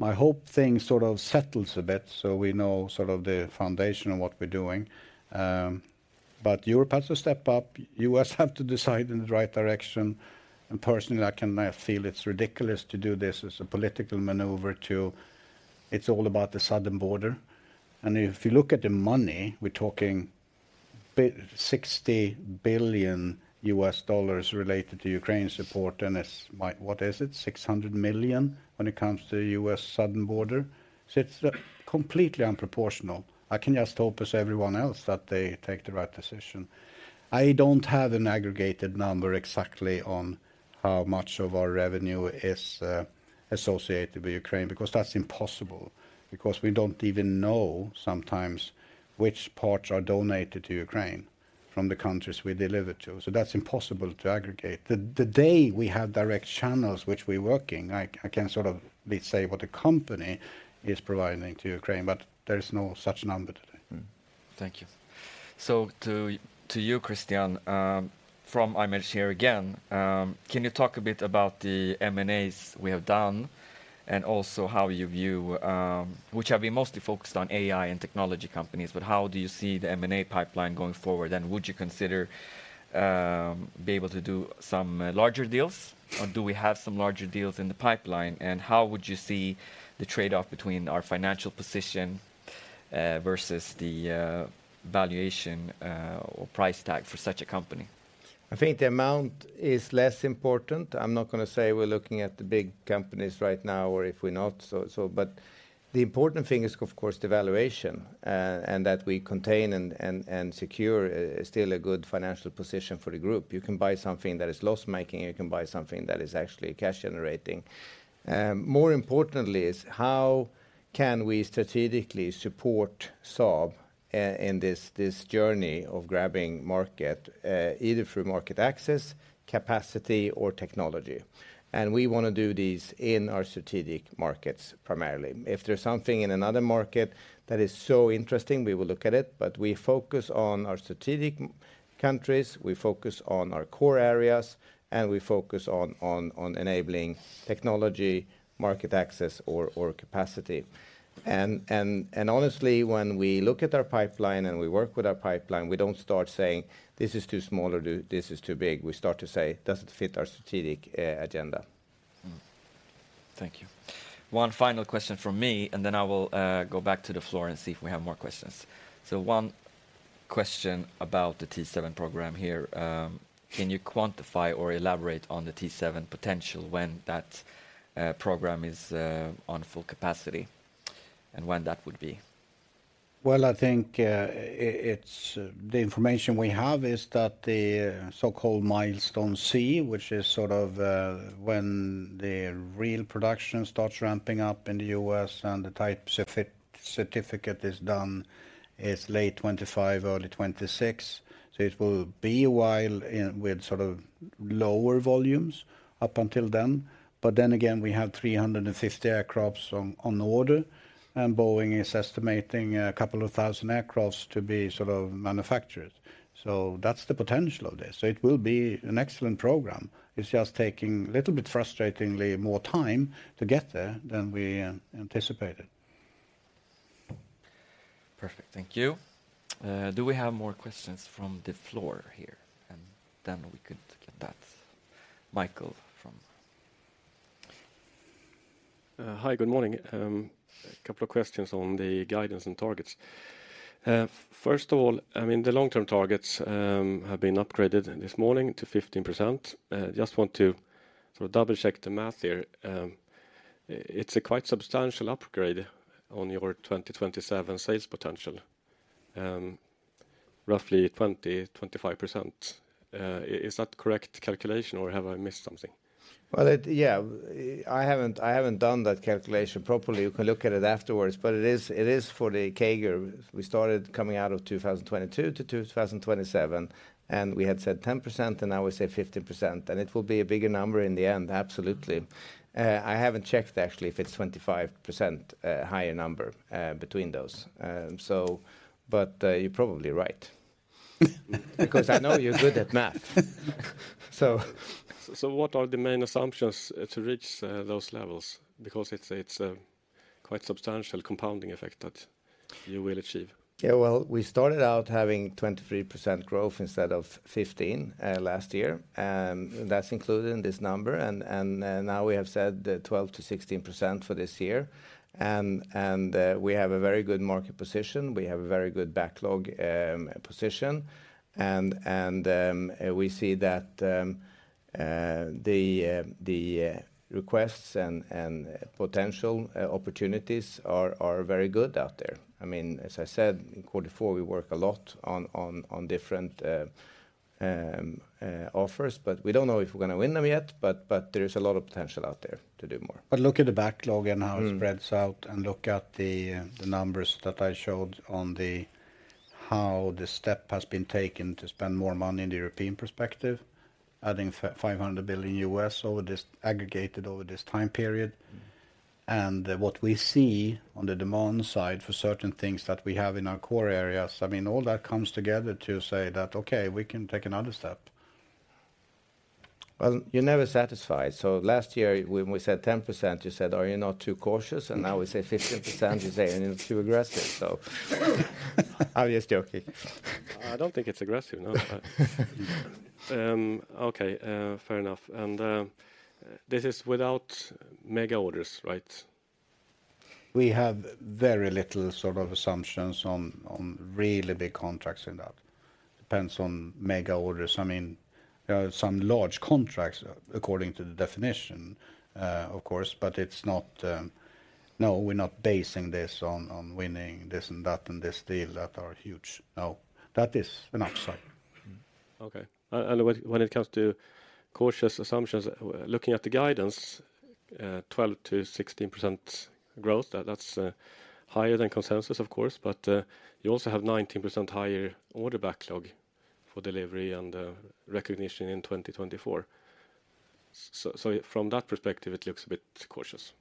[SPEAKER 2] I hope things sort of settle a bit so we know sort of the foundation of what we're doing. But Europe has to step up. U.S. have to decide in the right direction. And personally, I can feel it's ridiculous to do this as a political maneuver to. It's all about the southern border. And if you look at the money, we're talking $60 billion related to Ukraine support. And what is it? $600 million when it comes to the U.S. southern border? So it's completely disproportional. I can just hope as everyone else that they take the right decision. I don't have an aggregated number exactly on how much of our revenue is associated with Ukraine because that's impossible because we don't even know sometimes which parts are donated to Ukraine from the countries we deliver to. So that's impossible to aggregate. The day we have direct channels, which we're working, I can sort of say what the company is providing to Ukraine. But there is no such number today.
[SPEAKER 1] Thank you. So to you, Christian, from Aymeric here again, can you talk a bit about the M&As we have done and also how you view which have been mostly focused on AI and technology companies? But how do you see the M&A pipeline going forward? And would you consider being able to do some larger deals? Or do we have some larger deals in the pipeline? And how would you see the trade-off between our financial position versus the valuation or price tag for such a company?
[SPEAKER 3] I think the amount is less important. I'm not going to say we're looking at the big companies right now or if we're not. But the important thing is, of course, the valuation and that we contain and secure still a good financial position for the group. You can buy something that is loss-making. And you can buy something that is actually cash-generating. More importantly, is how can we strategically support Saab in this journey of grabbing market, either through market access, capacity, or technology? And we want to do these in our strategic markets primarily. If there's something in another market that is so interesting, we will look at it. But we focus on our strategic countries. We focus on our core areas. And we focus on enabling technology, market access, or capacity. Honestly, when we look at our pipeline and we work with our pipeline, we don't start saying, this is too small or this is too big. We start to say, does it fit our strategic agenda?
[SPEAKER 1] Thank you. One final question from me. Then I will go back to the floor and see if we have more questions. One question about the T-7 program here. Can you quantify or elaborate on the T-7 potential when that program is on full capacity and when that would be?
[SPEAKER 2] Well, I think the information we have is that the so-called Milestone C, which is sort of when the real production starts ramping up in the U.S. and the type certificate is done, is late 2025, early 2026. So it will be a while with sort of lower volumes up until then. But then again, we have 350 aircraft on order. And Boeing is estimating a couple of thousand aircraft to be sort of manufactured. So that's the potential of this. So it will be an excellent program. It's just taking a little bit, frustratingly, more time to get there than we anticipated.
[SPEAKER 1] Perfect. Thank you. Do we have more questions from the floor here? And then we could get that. Micael from.
[SPEAKER 10] Hi. Good morning. A couple of questions on the guidance and targets. First of all, I mean, the long-term targets have been upgraded this morning to 15%. I just want to sort of double-check the math here. It's a quite substantial upgrade on your 2027 sales potential, roughly 20%, 25%. Is that correct calculation? Or have I missed something?
[SPEAKER 2] Well, yeah, I haven't done that calculation properly. You can look at it afterwards. But it is for the CAGR. We started coming out of 2022-2027. And we had said 10%. And now we say 15%. And it will be a bigger number in the end, absolutely. I haven't checked, actually, if it's 25% higher number between those. But you're probably right because I know you're good at math.
[SPEAKER 10] What are the main assumptions to reach those levels because it's a quite substantial compounding effect that you will achieve?
[SPEAKER 2] Yeah, well, we started out having 23% growth instead of 15% last year. And that's included in this number. And now we have said 12%-16% for this year. And we have a very good market position. We have a very good backlog position. And we see that the requests and potential opportunities are very good out there. I mean, as I said, in quarter four, we work a lot on different offers. But we don't know if we're going to win them yet. But there is a lot of potential out there to do more. But look at the backlog and how it spreads out. And look at the numbers that I showed on how the step has been taken to spend more money in the European perspective, adding $500 billion aggregated over this time period. And what we see on the demand side for certain things that we have in our core areas, I mean, all that comes together to say that, OK, we can take another step.
[SPEAKER 3] Well, you're never satisfied. So last year, when we said 10%, you said, are you not too cautious? And now we say 15%. You say, are you not too aggressive? So I'm just joking.
[SPEAKER 10] I don't think it's aggressive, no. OK, fair enough. And this is without mega orders, right?
[SPEAKER 2] We have very little sort of assumptions on really big contracts in that. It depends on mega orders. I mean, some large contracts, according to the definition, of course. But it's not, no, we're not basing this on winning this and that and this deal that are huge. No, that is an upside.
[SPEAKER 10] OK. When it comes to cautious assumptions, looking at the guidance, 12%-16% growth, that's higher than consensus, of course. But you also have 19% higher order backlog for delivery and recognition in 2024. So from that perspective, it looks a bit cautious.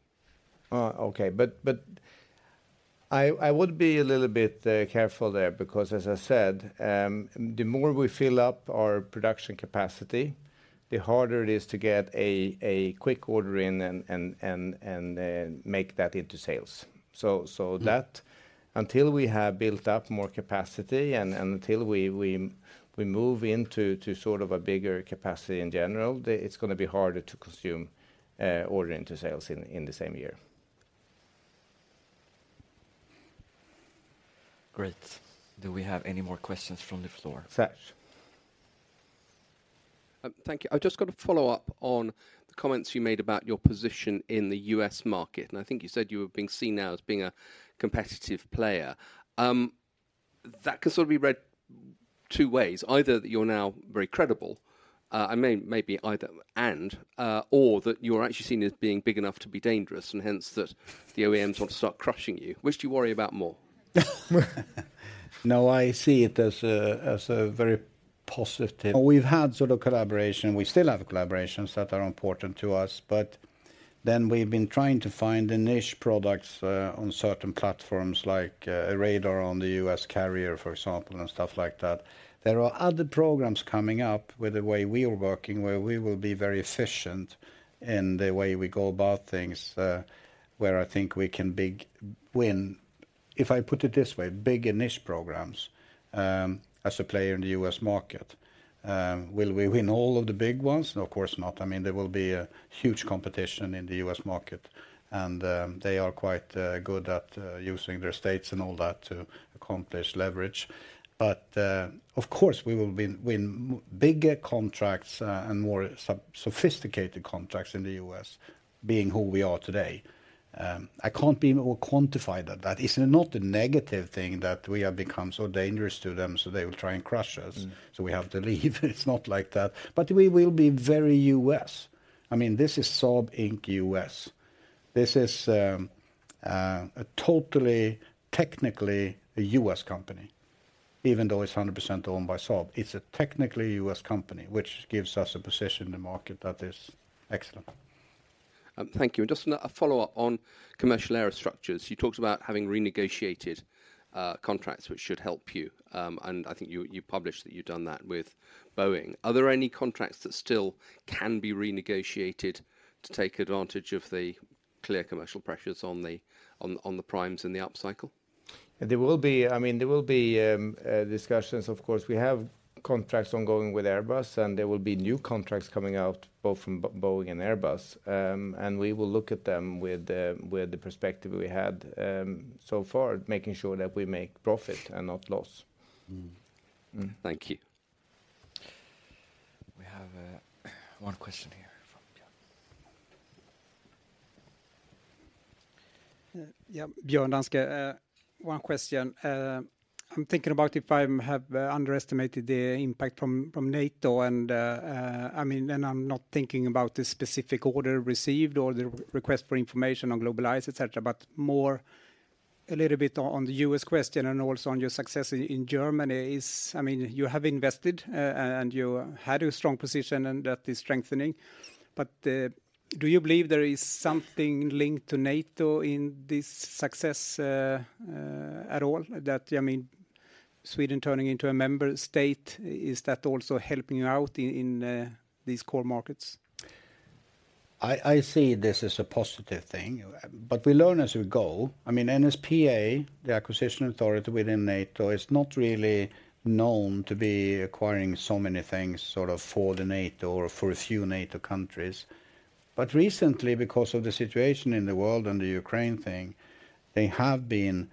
[SPEAKER 2] OK. But I would be a little bit careful there because, as I said, the more we fill up our production capacity, the harder it is to get a quick order in and make that into sales. So until we have built up more capacity and until we move into sort of a bigger capacity in general, it's going to be harder to consume order into sales in the same year.
[SPEAKER 1] Great. Do we have any more questions from the floor? Sash.
[SPEAKER 7] Thank you. I've just got to follow up on the comments you made about your position in the U.S. market. I think you said you were being seen now as being a competitive player. That can sort of be read two ways, either that you're now very credible and or that you're actually seen as being big enough to be dangerous and hence that the OEMs want to start crushing you. Which do you worry about more?
[SPEAKER 2] No, I see it as a very positive. We've had sort of collaboration. We still have collaborations that are important to us. But then we've been trying to find the niche products on certain platforms like a radar on the U.S. carrier, for example, and stuff like that. There are other programs coming up with the way we are working where we will be very efficient in the way we go about things, where I think we can win if I put it this way, big and niche programs as a player in the U.S. market. Will we win all of the big ones? No, of course not. I mean, there will be a huge competition in the U.S. market. And they are quite good at using their states and all that to accomplish leverage. But of course, we will win bigger contracts and more sophisticated contracts in the U.S., being who we are today. I can't be more quantified than that. That is not a negative thing that we have become so dangerous to them so they will try and crush us so we have to leave. It's not like that. But we will be very U.S. I mean, this is Saab Inc. U.S. This is totally, technically, a U.S. company, even though it's 100% owned by Saab. It's a technically U.S. company, which gives us a position in the market that is excellent.
[SPEAKER 7] Thank you. Just a follow-up on commercial air structures. You talked about having renegotiated contracts, which should help you. I think you published that you've done that with Boeing. Are there any contracts that still can be renegotiated to take advantage of the clear commercial pressures on the primes in the upcycle?
[SPEAKER 2] There will be, I mean, there will be discussions, of course. We have contracts ongoing with Airbus. And there will be new contracts coming out, both from Boeing and Airbus. And we will look at them with the perspective we had so far, making sure that we make profit and not loss.
[SPEAKER 7] Thank you.
[SPEAKER 1] We have one question here from Björn.
[SPEAKER 6] Yeah, Björn Enarson, Danske Bank. One question. I'm thinking about if I have underestimated the impact from NATO. And I mean, I'm not thinking about the specific order received or the request for information on GlobalEye, et cetera, et cetera, but more a little bit on the US question and also on your success in Germany. I mean, you have invested. And you had a strong position. And that is strengthening. But do you believe there is something linked to NATO in this success at all? I mean, Sweden turning into a member state, is that also helping you out in these core markets?
[SPEAKER 2] I see this as a positive thing. But we learn as we go. I mean, NSPA, the acquisition authority within NATO, is not really known to be acquiring so many things sort of for the NATO or for a few NATO countries. But recently, because of the situation in the world and the Ukraine thing, they have been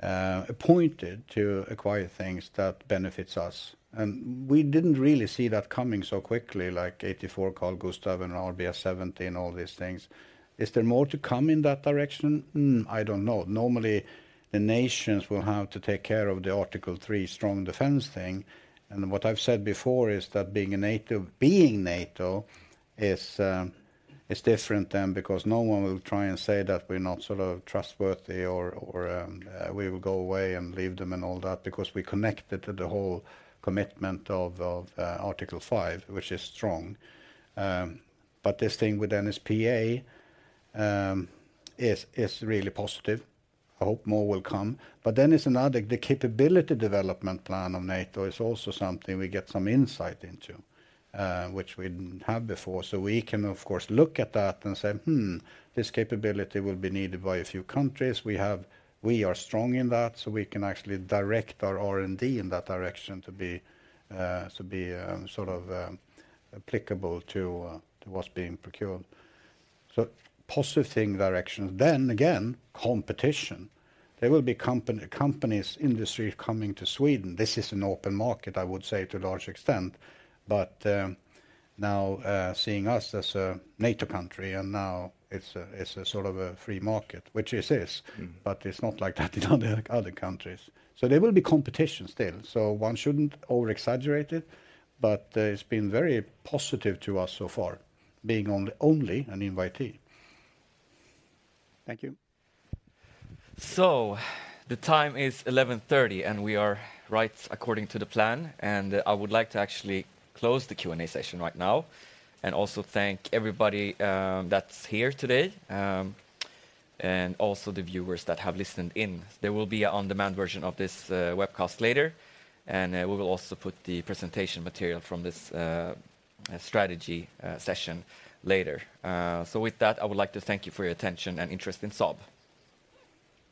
[SPEAKER 2] appointed to acquire things that benefit us. And we didn't really see that coming so quickly, like 84 Carl-Gustaf and RBS 70, all these things. Is there more to come in that direction? I don't know. Normally, the nations will have to take care of the Article 3 strong defense thing. And what I've said before is that being NATO is different than because no one will try and say that we're not sort of trustworthy or we will go away and leave them and all that because we connected to the whole commitment of Article 5, which is strong. But this thing with NSPA is really positive. I hope more will come. But then it's another the capability development plan of NATO is also something we get some insight into, which we didn't have before. So we can, of course, look at that and say, this capability will be needed by a few countries. We are strong in that. So we can actually direct our R&D in that direction to be sort of applicable to what's being procured. So positive thing directions. Then again, competition. There will be companies, industries coming to Sweden. This is an open market, I would say, to a large extent. But now seeing us as a NATO country, and now it's sort of a free market, which it is. But it's not like that in other countries. So there will be competition still. So one shouldn't overexaggerate it. But it's been very positive to us so far, being only an invitee.
[SPEAKER 6] Thank you.
[SPEAKER 1] The time is 11:30 A.M. We are right according to the plan. I would like to actually close the Q&A session right now and also thank everybody that's here today and also the viewers that have listened in. There will be an on-demand version of this webcast later. We will also put the presentation material from this strategy session later. So with that, I would like to thank you for your attention and interest in Saab.